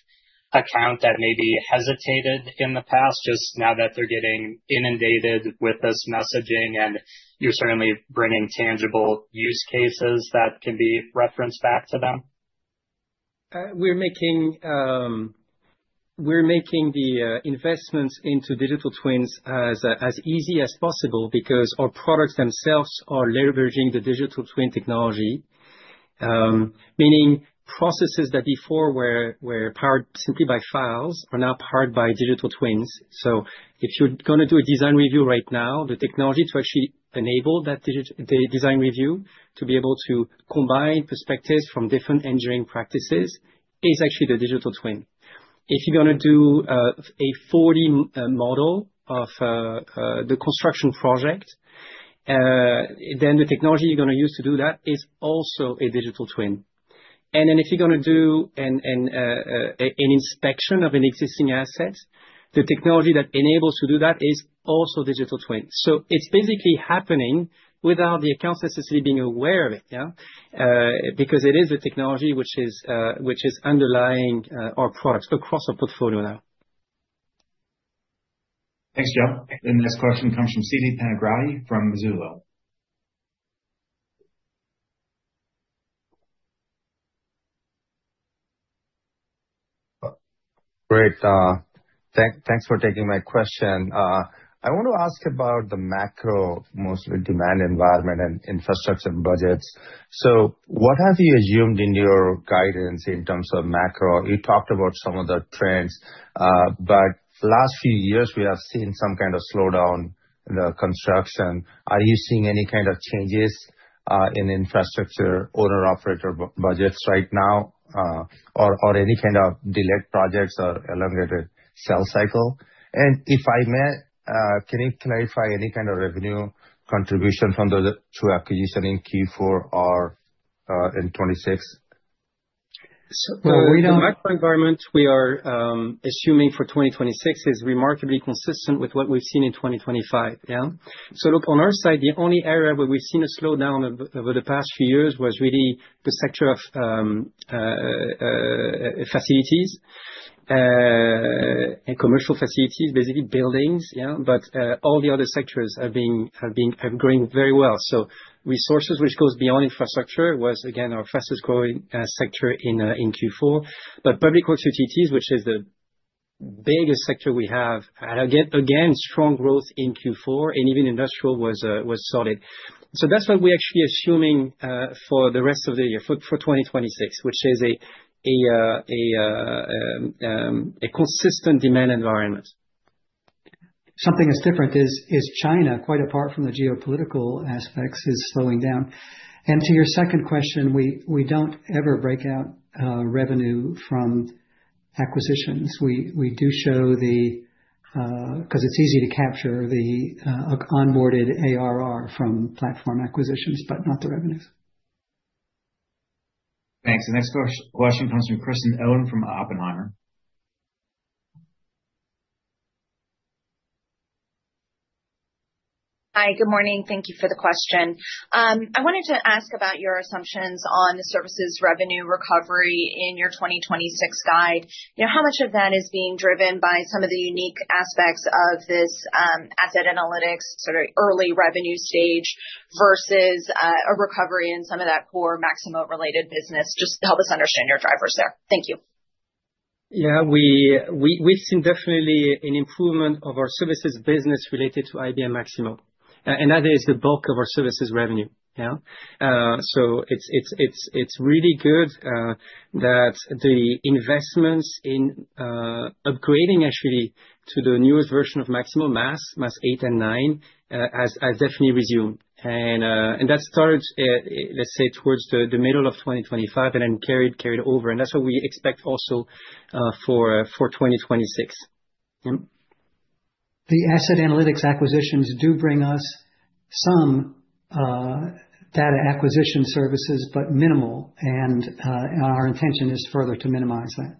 account that maybe hesitated in the past, just now that they're getting inundated with this messaging, and you're certainly bringing tangible use cases that can be referenced back to them? we're making the investments into digital twins as easy as possible because our products themselves are leveraging the digital twin technology. Meaning processes that before were powered simply by files are now powered by digital twins. If you're going to do a design review right now, the technology to actually enable that design review, to be able to combine perspectives from different engineering practices, is actually the digital twin. If you're going to do a 4D model of the construction project, then the technology you're going to use to do that is also a digital twin. If you're going to do an inspection of an existing asset, the technology that enables to do that is also digital twin. It's basically happening without the accounts necessarily being aware of it, yeah? Because it is a technology which is underlying our products across our portfolio now. Thanks, Jay. The next question comes from Siti Panigrahi from Mizuho. Great, thanks for taking my question. I want to ask about the macro, mostly demand environment and infrastructure and budgets. What have you assumed in your guidance in terms of macro? You talked about some of the trends, last few years, we have seen some kind of slowdown in the construction. Are you seeing any kind of changes in infrastructure, owner-operator budgets right now, or any kind of delayed projects or elongated sales cycle? If I may, can you clarify any kind of revenue contribution from those two acquisition in Q4 or in 2026? The macro environment we are assuming for 2026 is remarkably consistent with what we've seen in 2025, yeah? Look, on our side, the only area where we've seen a slowdown over the past few years was really the sector of facilities and commercial facilities, basically buildings, yeah. All the other sectors are growing very well. Resources, which goes beyond infrastructure, was again, our fastest growing sector in Q4. Public utilities, which is the biggest sector we have, again, strong growth in Q4, and even industrial was solid. That's what we're actually assuming for the rest of the year, for 2026, which is a consistent demand environment. Something that's different is China, quite apart from the geopolitical aspects, is slowing down. To your second question, we don't ever break out revenue from acquisitions. We do show the 'cause it's easy to capture the onboarded ARR from platform acquisitions, but not the revenues. Thanks. The next question comes from Kristen Owen from Oppenheimer. Hi, good morning. Thank you for the question. I wanted to ask about your assumptions on the services revenue recovery in your 2026 guide. You know, how much of that is being driven by some of the unique aspects of this, asset analytics, sort of early revenue stage, versus, a recovery in some of that core Maximo related business? Just help us understand your drivers there. Thank you. Yeah, we've seen definitely an improvement of our services business related to IBM Maximo, and that is the bulk of our services revenue, yeah. It's really good that the investments in upgrading actually to the newest version of Maximo, MAS 8 and 9 has definitely resumed. That started, let's say, towards the middle of 2025 and then carried over, and that's what we expect also for 2026. The asset analytics acquisitions do bring us some data acquisition services, but minimal, and our intention is further to minimize that.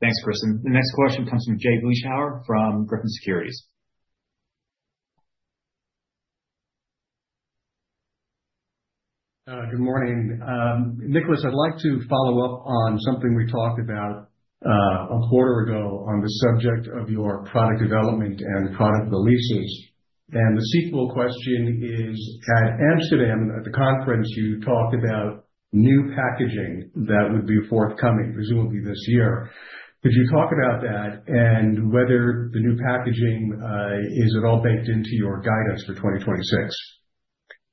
Thanks, Kristen. The next question comes from Jay Vleeschhouwer from Griffin Securities. Good morning. Nicholas, I'd like to follow up on something we talked about a quarter ago on the subject of your product development and product releases. The sequel question is, at Amsterdam, at the conference, you talked about new packaging that would be forthcoming, presumably this year. Could you talk about that and whether the new packaging is at all baked into your guidance for 2026?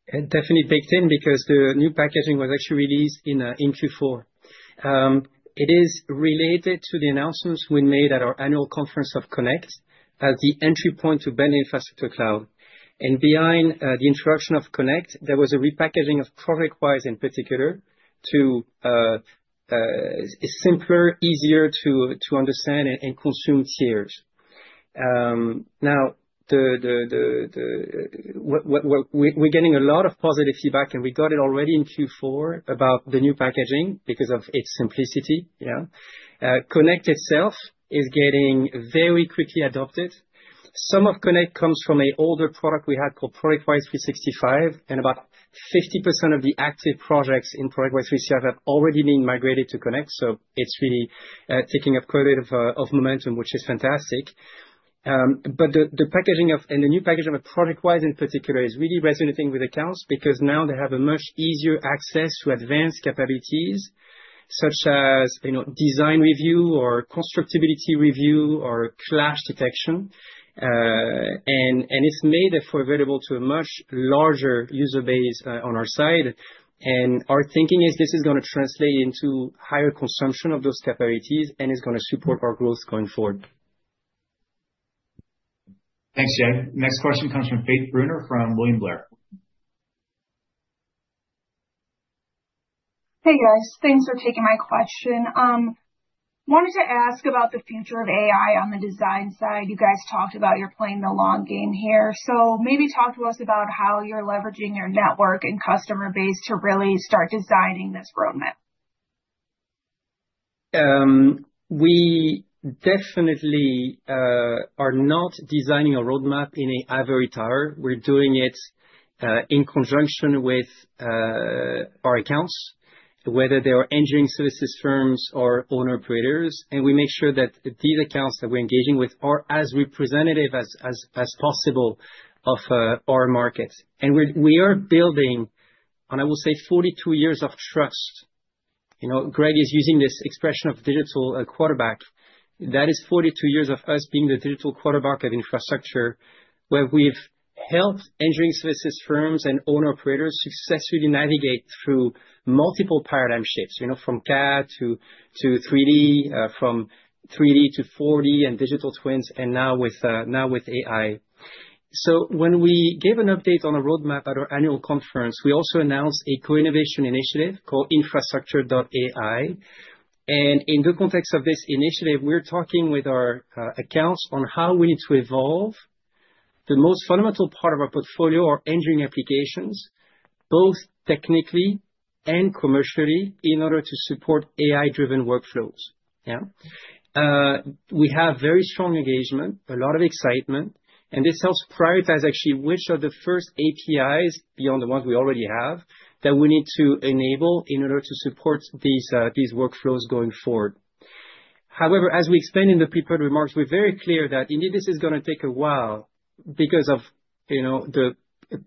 It's definitely baked in, because the new packaging was actually released in Q4. It is related to the announcements we made at our annual conference of Connect, at the entry point to building Infrastructure Cloud. Behind the introduction of Connect, there was a repackaging of ProjectWise in particular, to simpler, easier to understand and consume tiers. Now, we're getting a lot of positive feedback, and we got it already in Q4, about the new packaging because of its simplicity. Connect itself is getting very quickly adopted. Some of Connect comes from a older product we had called ProjectWise 365. About 50% of the active projects in ProjectWise 365 have already been migrated to Connect, so it's really taking up quite a bit of momentum, which is fantastic. The packaging of, and the new packaging of ProjectWise in particular, is really resonating with accounts because now they have a much easier access to advanced capabilities, such as, you know, design review or constructability review or clash detection. It's made, therefore, available to a much larger user base on our side. Our thinking is this is going to translate into higher consumption of those capabilities and is going to support our growth going forward. Thanks, Joe. Next question comes from Jackson Bogli from William Blair. Hey, guys. Thanks for taking my question. wanted to ask about the future of AI on the design side. You guys talked about you're playing the long game here. maybe talk to us about how you're leveraging your network and customer base to really start designing this roadmap? We definitely are not designing a roadmap in an ivory tower. We're doing it in conjunction with our accounts, whether they are engineering services firms or owner-operators, and we make sure that these accounts that we're engaging with are as representative as possible of our market. We are building, and I will say 42 years of trust. You know, Greg is using this expression of digital quarterback. That is 42 years of us being the digital quarterback of infrastructure, where we've helped engineering services firms and owner-operators successfully navigate through multiple paradigm shifts, you know, from CAD to 3D, from 3D to 4D and digital twins, and now with AI. When we gave an update on the roadmap at our annual conference, we also announced a co-innovation initiative called Infrastructure AI. In the context of this initiative, we're talking with our accounts on how we need to evolve the most fundamental part of our portfolio, our engineering applications, both technically and commercially, in order to support AI-driven workflows. We have very strong engagement, a lot of excitement, and this helps prioritize, actually, which are the first APIs, beyond the ones we already have, that we need to enable in order to support these workflows going forward. However, as we explained in the prepared remarks, we're very clear that indeed, this is going to take a while because of, you know, the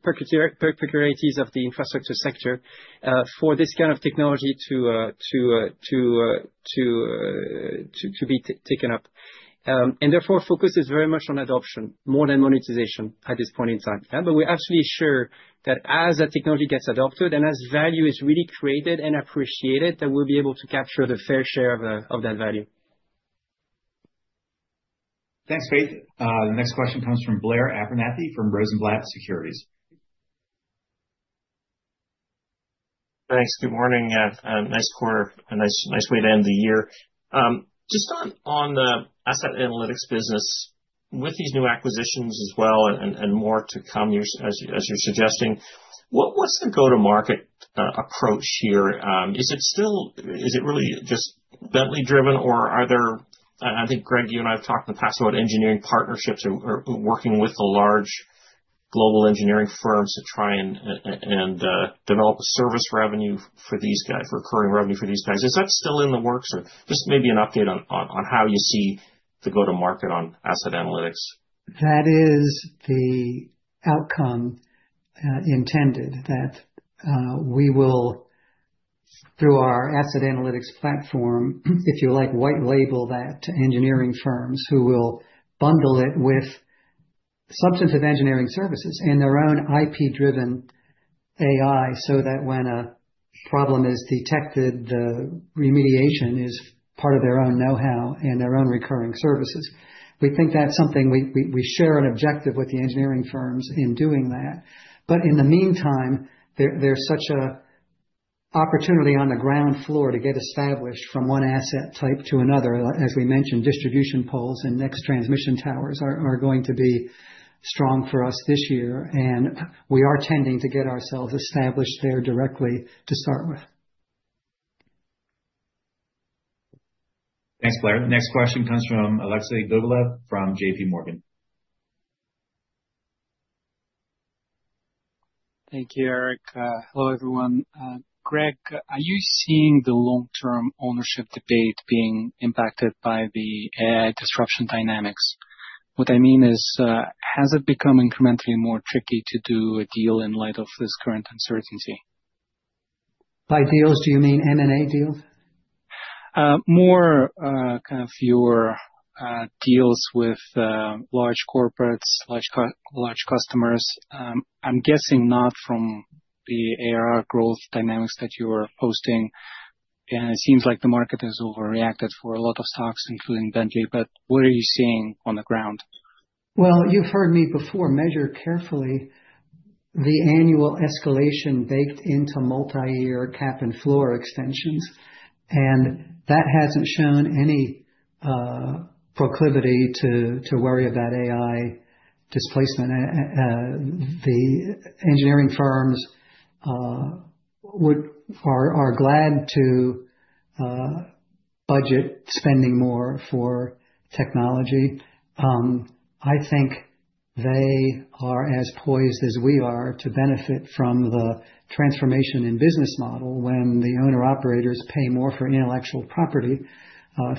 particularities of the infrastructure sector, for this kind of technology to be taken up. Therefore, our focus is very much on adoption more than monetization at this point in time. We're absolutely sure that as that technology gets adopted and as value is really created and appreciated, that we'll be able to capture the fair share of that value. Thanks, Jackson Bogli. The next question comes from Blair Abernethy, from Rosenblatt Securities. Thanks. Good morning, nice quarter. A nice way to end the year. Just on the asset analytics business, with these new acquisitions as well, and more to come, as you're suggesting, what was the go-to-market approach here? Is it really just Bentley driven, or are there? I think, Greg, you and I have talked in the past about engineering partnerships or working with the large global engineering firms to try and develop a service revenue for these guys, recurring revenue for these guys. Is that still in the works? Or just maybe an update on how you see the go-to-market on asset analytics. That is the outcome intended, that we will, through our asset analytics platform, if you like, white label that to engineering firms who will bundle it with substantive engineering services and their own IP-driven AI, so that when a problem is detected, the remediation is part of their own know-how and their own recurring services. We think that's something we share an objective with the engineering firms in doing that. In the meantime, there's such a opportunity on the ground floor to get established from one asset type to another. As we mentioned, distribution poles and next transmission towers are going to be strong for us this year, and we are tending to get ourselves established there directly to start with. Thanks, Blair. The next question comes from Alexei Gogolev from J.P. Morgan. Thank you, Eric. Hello, everyone. Greg, are you seeing the long-term ownership debate being impacted by the disruption dynamics? What I mean is, has it become incrementally more tricky to do a deal in light of this current uncertainty? By deals, do you mean M&A deals? More kind of your deals with large corporates, large customers. I'm guessing not from the AR growth dynamics that you are posting. It seems like the market has overreacted for a lot of stocks, including Bentley. What are you seeing on the ground? Well, you've heard me before, measure carefully the annual escalation baked into multiyear cap and floor extensions, and that hasn't shown any proclivity to worry about AI displacement. The engineering firms are glad to budget spending more for technology. I think they are as poised as we are to benefit from the transformation in business model when the owner-operators pay more for intellectual property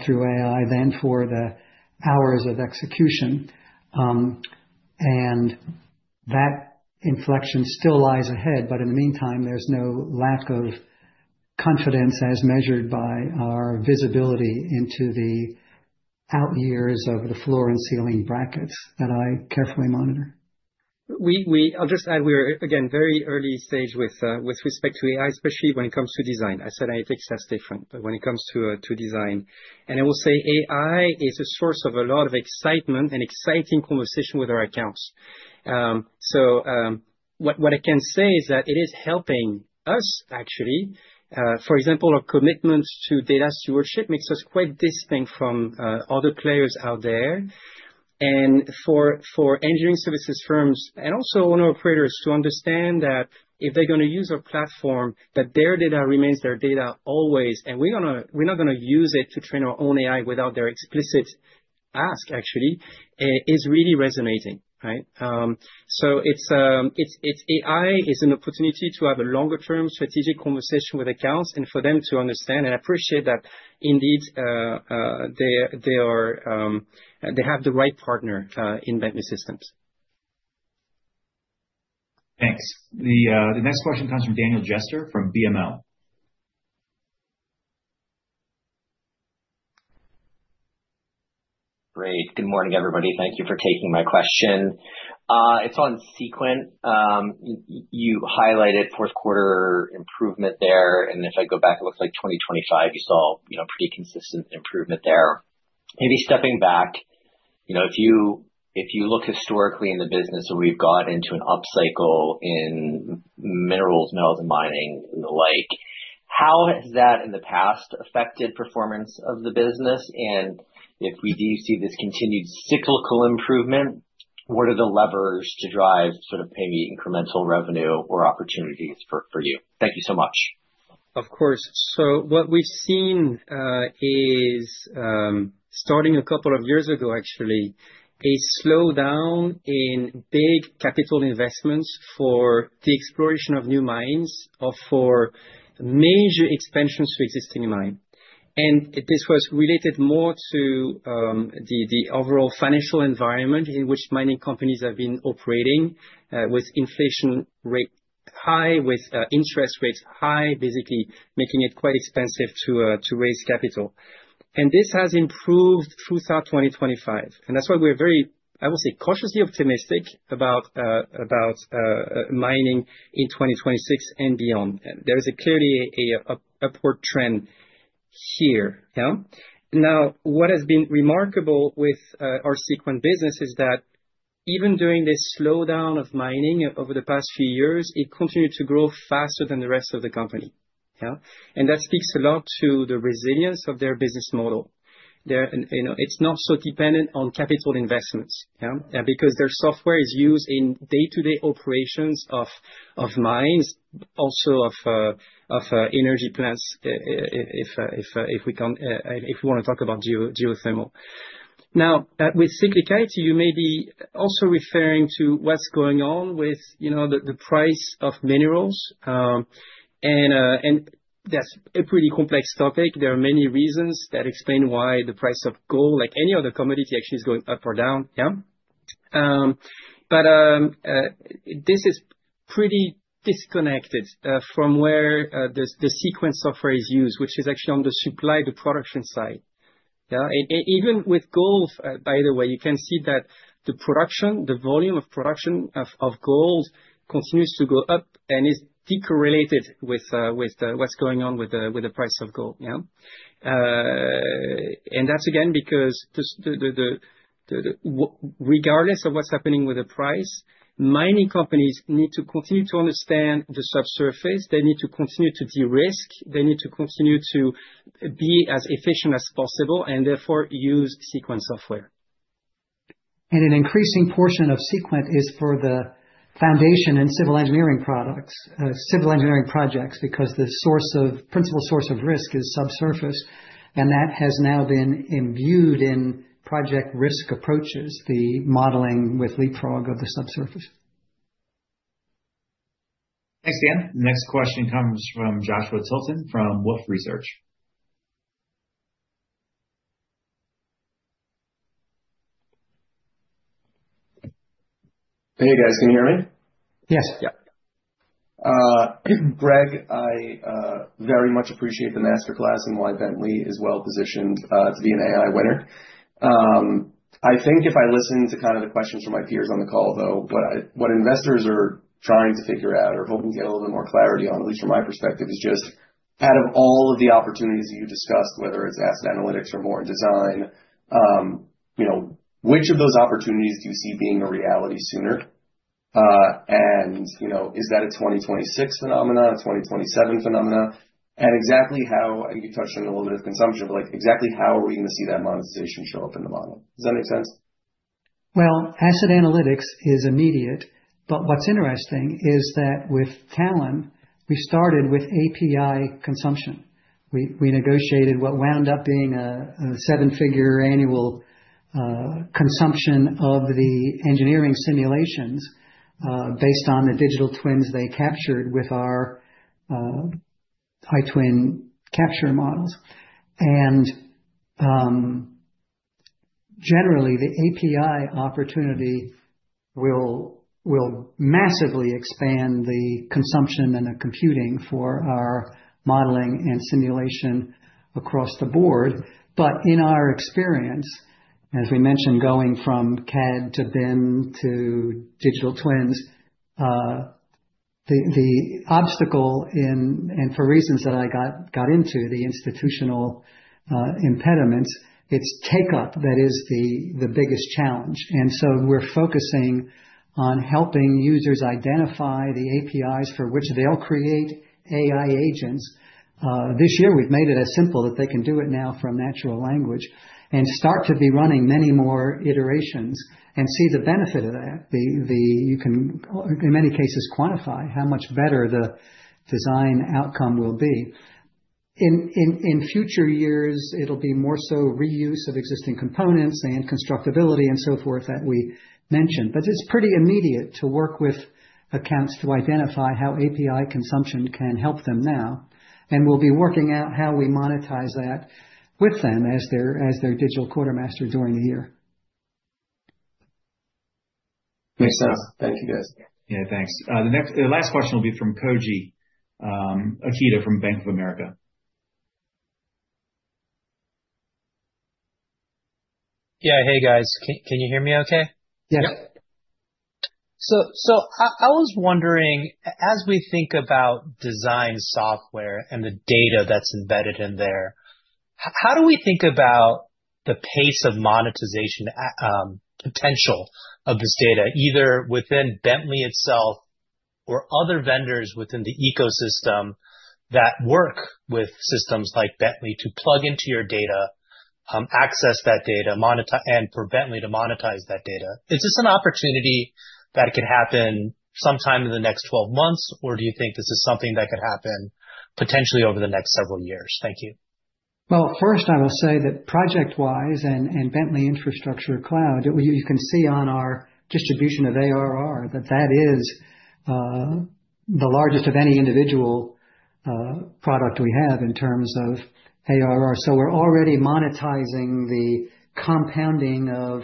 through AI, than for the hours of execution. That inflection still lies ahead, but in the meantime, there's no lack of confidence as measured by our visibility into the out years of the floor and ceiling brackets that I carefully monitor. I'll just add, we are, again, very early stage with respect to AI, especially when it comes to design. I said I think that's different, but when it comes to design. I will say AI is a source of a lot of excitement and exciting conversation with our accounts. What I can say is that it is helping us actually. For example, our commitment to data stewardship makes us quite distinct from other players out there. For engineering services firms and also owner operators to understand that if they're going to use our platform, that their data remains their data always, and we're not going to use it to train our own AI without their explicit ask, actually, is really resonating, right? It's AI is an opportunity to have a longer-term strategic conversation with accounts and for them to understand and appreciate that indeed, they are, they have the right partner, in Bentley Systems. Thanks. The next question comes from Daniel Jester from BMO. Great. Good morning, everybody. Thank you for taking my question. It's on Seequent. You highlighted fourth quarter improvement there, and if I go back, it looks like 2025, you saw, you know, pretty consistent improvement there. Maybe stepping back, you know, if you, if you look historically in the business, we've got into an upcycle in minerals, metals, and mining and the like, how has that in the past affected performance of the business? If we do see this continued cyclical improvement, what are the levers to drive sort of paying incremental revenue or opportunities for you? Thank you so much. Of course. What we've seen is, starting a couple of years ago, actually, a slowdown in big capital investments for the exploration of new mines or for major expansions to existing mine. This was related more to the overall financial environment in which mining companies have been operating, with inflation rate high, with interest rates high, basically making it quite expensive to raise capital. This has improved throughout 2025, and that's why we're very, I would say, cautiously optimistic about mining in 2026 and beyond. There is a clearly a upward trend here. Yeah. Now, what has been remarkable with our Seequent business is that even during this slowdown of mining over the past few years, it continued to grow faster than the rest of the company. Yeah? That speaks a lot to the resilience of their business model. They're, you know, it's not so dependent on capital investments, yeah, because their software is used in day-to-day operations of mines, also of energy plants, if we can, if we want to talk about geothermal. Now, with cyclicity, you may be also referring to what's going on with, you know, the price of minerals. That's a pretty complex topic. There are many reasons that explain why the price of gold, like any other commodity, actually, is going up or down. Yeah? This is pretty disconnected from where the Seequent software is used, which is actually on the supply to production side. Yeah. Even with gold, by the way, you can see that the production, the volume of production of gold continues to go up and is decorrelated with what's going on with the, with the price of gold, yeah. That's again, because regardless of what's happening with the price, mining companies need to continue to understand the subsurface. They need to continue to de-risk. They need to continue to be as efficient as possible and therefore use Seequent software. An increasing portion of Seequent is for the foundation and civil engineering products, civil engineering projects, because the principal source of risk is subsurface, and that has now been imbued in project risk approaches, the modeling with Leapfrog of the subsurface. Thanks, Dan. The next question comes from Joshua Tilton, from Wolfe Research. Hey, guys, can you hear me? Yes. Yeah. Greg, I very much appreciate the master class and why Bentley is well positioned to be an AI winner. I think if I listen to kind of the questions from my peers on the call, though, what investors are trying to figure out or hoping to get a little bit more clarity on, at least from my perspective, is just out of all of the opportunities that you discussed, whether it's asset analytics or more in design, you know, which of those opportunities do you see being a reality sooner? You know, is that a 2026 phenomenon, a 2027 phenomena? Exactly how, you touched on it a little bit of consumption, but exactly how are we going to see that monetization show up in the model? Does that make sense? Well, asset analytics is immediate, but what's interesting is that with Talon, we started with API consumption. We negotiated what wound up being a $7-figure annual consumption of the engineering simulations based on the digital twins they captured with our iTwin Capture models. Generally, the API opportunity will massively expand the consumption and the computing for our modeling and simulation across the board. In our experience, as we mentioned, going from CAD to BIM to digital twins, the obstacle in, and for reasons that I got into, the institutional impediments, it's take up that is the biggest challenge. We're focusing on helping users identify the APIs for which they'll create AI agents. This year, we've made it as simple that they can do it now from natural language and start to be running many more iterations and see the benefit of that. You can, in many cases, quantify how much better the design outcome will be. In future years, it'll be more so reuse of existing components and constructability and so forth, that we mentioned. It's pretty immediate to work with accounts to identify how API consumption can help them now, and we'll be working out how we monetize that with them as their, as their digital quartermaster during the year. Makes sense. Thank you, guys. Yeah, thanks. The last question will be from Koji Ikeda from Bank of America. Yeah. Hey, guys. Can you hear me okay? Yeah. Yep. I was wondering, as we think about design software and the data that's embedded in there, how do we think about the pace of monetization, potential of this data, either within Bentley itself or other vendors within the ecosystem that work with systems like Bentley to plug into your data, access that data, and for Bentley to monetize that data? Is this an opportunity that could happen sometime in the next twelve months, or do you think this is something that could happen potentially over the next several years? Thank you. Well, first, I will say that ProjectWise and Bentley Infrastructure Cloud, you can see on our distribution of ARR that is the largest of any individual product we have in terms of ARR. We're already monetizing the compounding of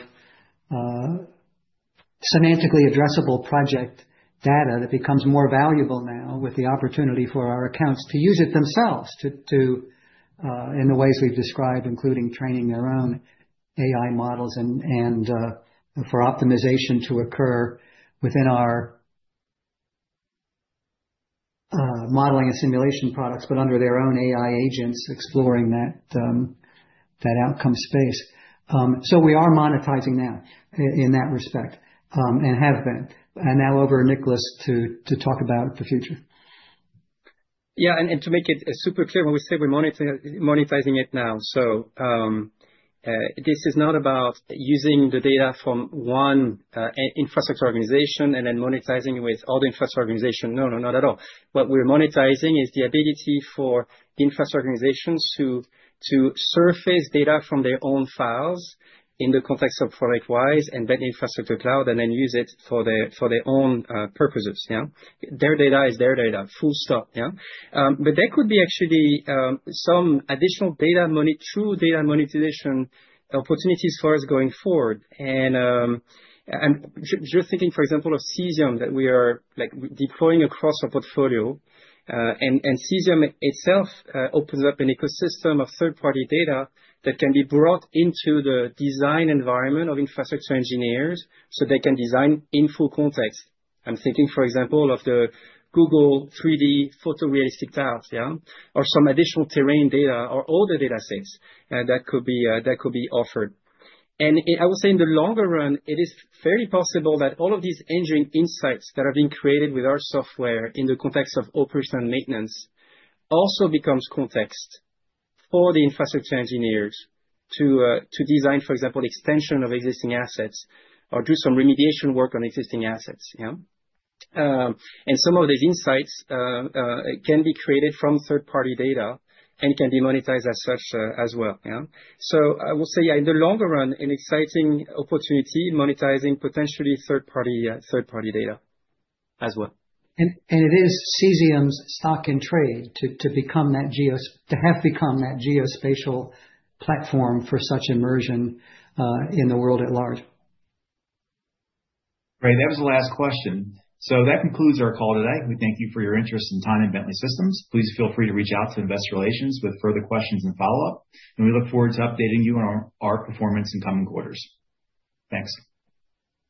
semantically addressable project data that becomes more valuable now with the opportunity for our accounts to use it themselves, to in the ways we've described, including training their own AI models and for optimization to occur within our modeling and simulation products, but under their own AI agents, exploring that outcome space. We are monetizing now, in that respect, and have been. Now over to Nicholas to talk about the future. To make it super clear, when we say we're monetizing it now, this is not about using the data from one infrastructure organization and then monetizing with other infrastructure organization. No, not at all. What we're monetizing is the ability for infrastructure organizations to surface data from their own files in the context of ProjectWise and then Infrastructure Cloud, and then use it for their own purposes, yeah? Their data is their data, full stop, yeah? There could be actually some additional data money through data monetization opportunities for us going forward. Just thinking, for example, of Cesium, that we are, like, deploying across our portfolio, and Cesium itself opens up an ecosystem of third-party data that can be brought into the design environment of infrastructure engineers so they can design in full context. I'm thinking, for example, of the Google 3D photorealistic tiles, yeah, or some additional terrain data, or all the data sets that could be offered. I would say in the longer run, it is very possible that all of these engineering insights that are being created with our software in the context of operation and maintenance also becomes context for the infrastructure engineers to design, for example, extension of existing assets or do some remediation work on existing assets, yeah? Some of these insights can be created from third-party data and can be monetized as such as well, yeah? I will say, yeah, in the longer run, an exciting opportunity, monetizing potentially third-party data as well. It is Cesium's stock and trade to become to have become that geospatial platform for such immersion in the world at large. Great, that was the last question. That concludes our call today. We thank you for your interest and time in Bentley Systems. Please feel free to reach out to investor relations with further questions and follow-up, and we look forward to updating you on our performance in coming quarters. Thanks.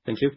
Thank you.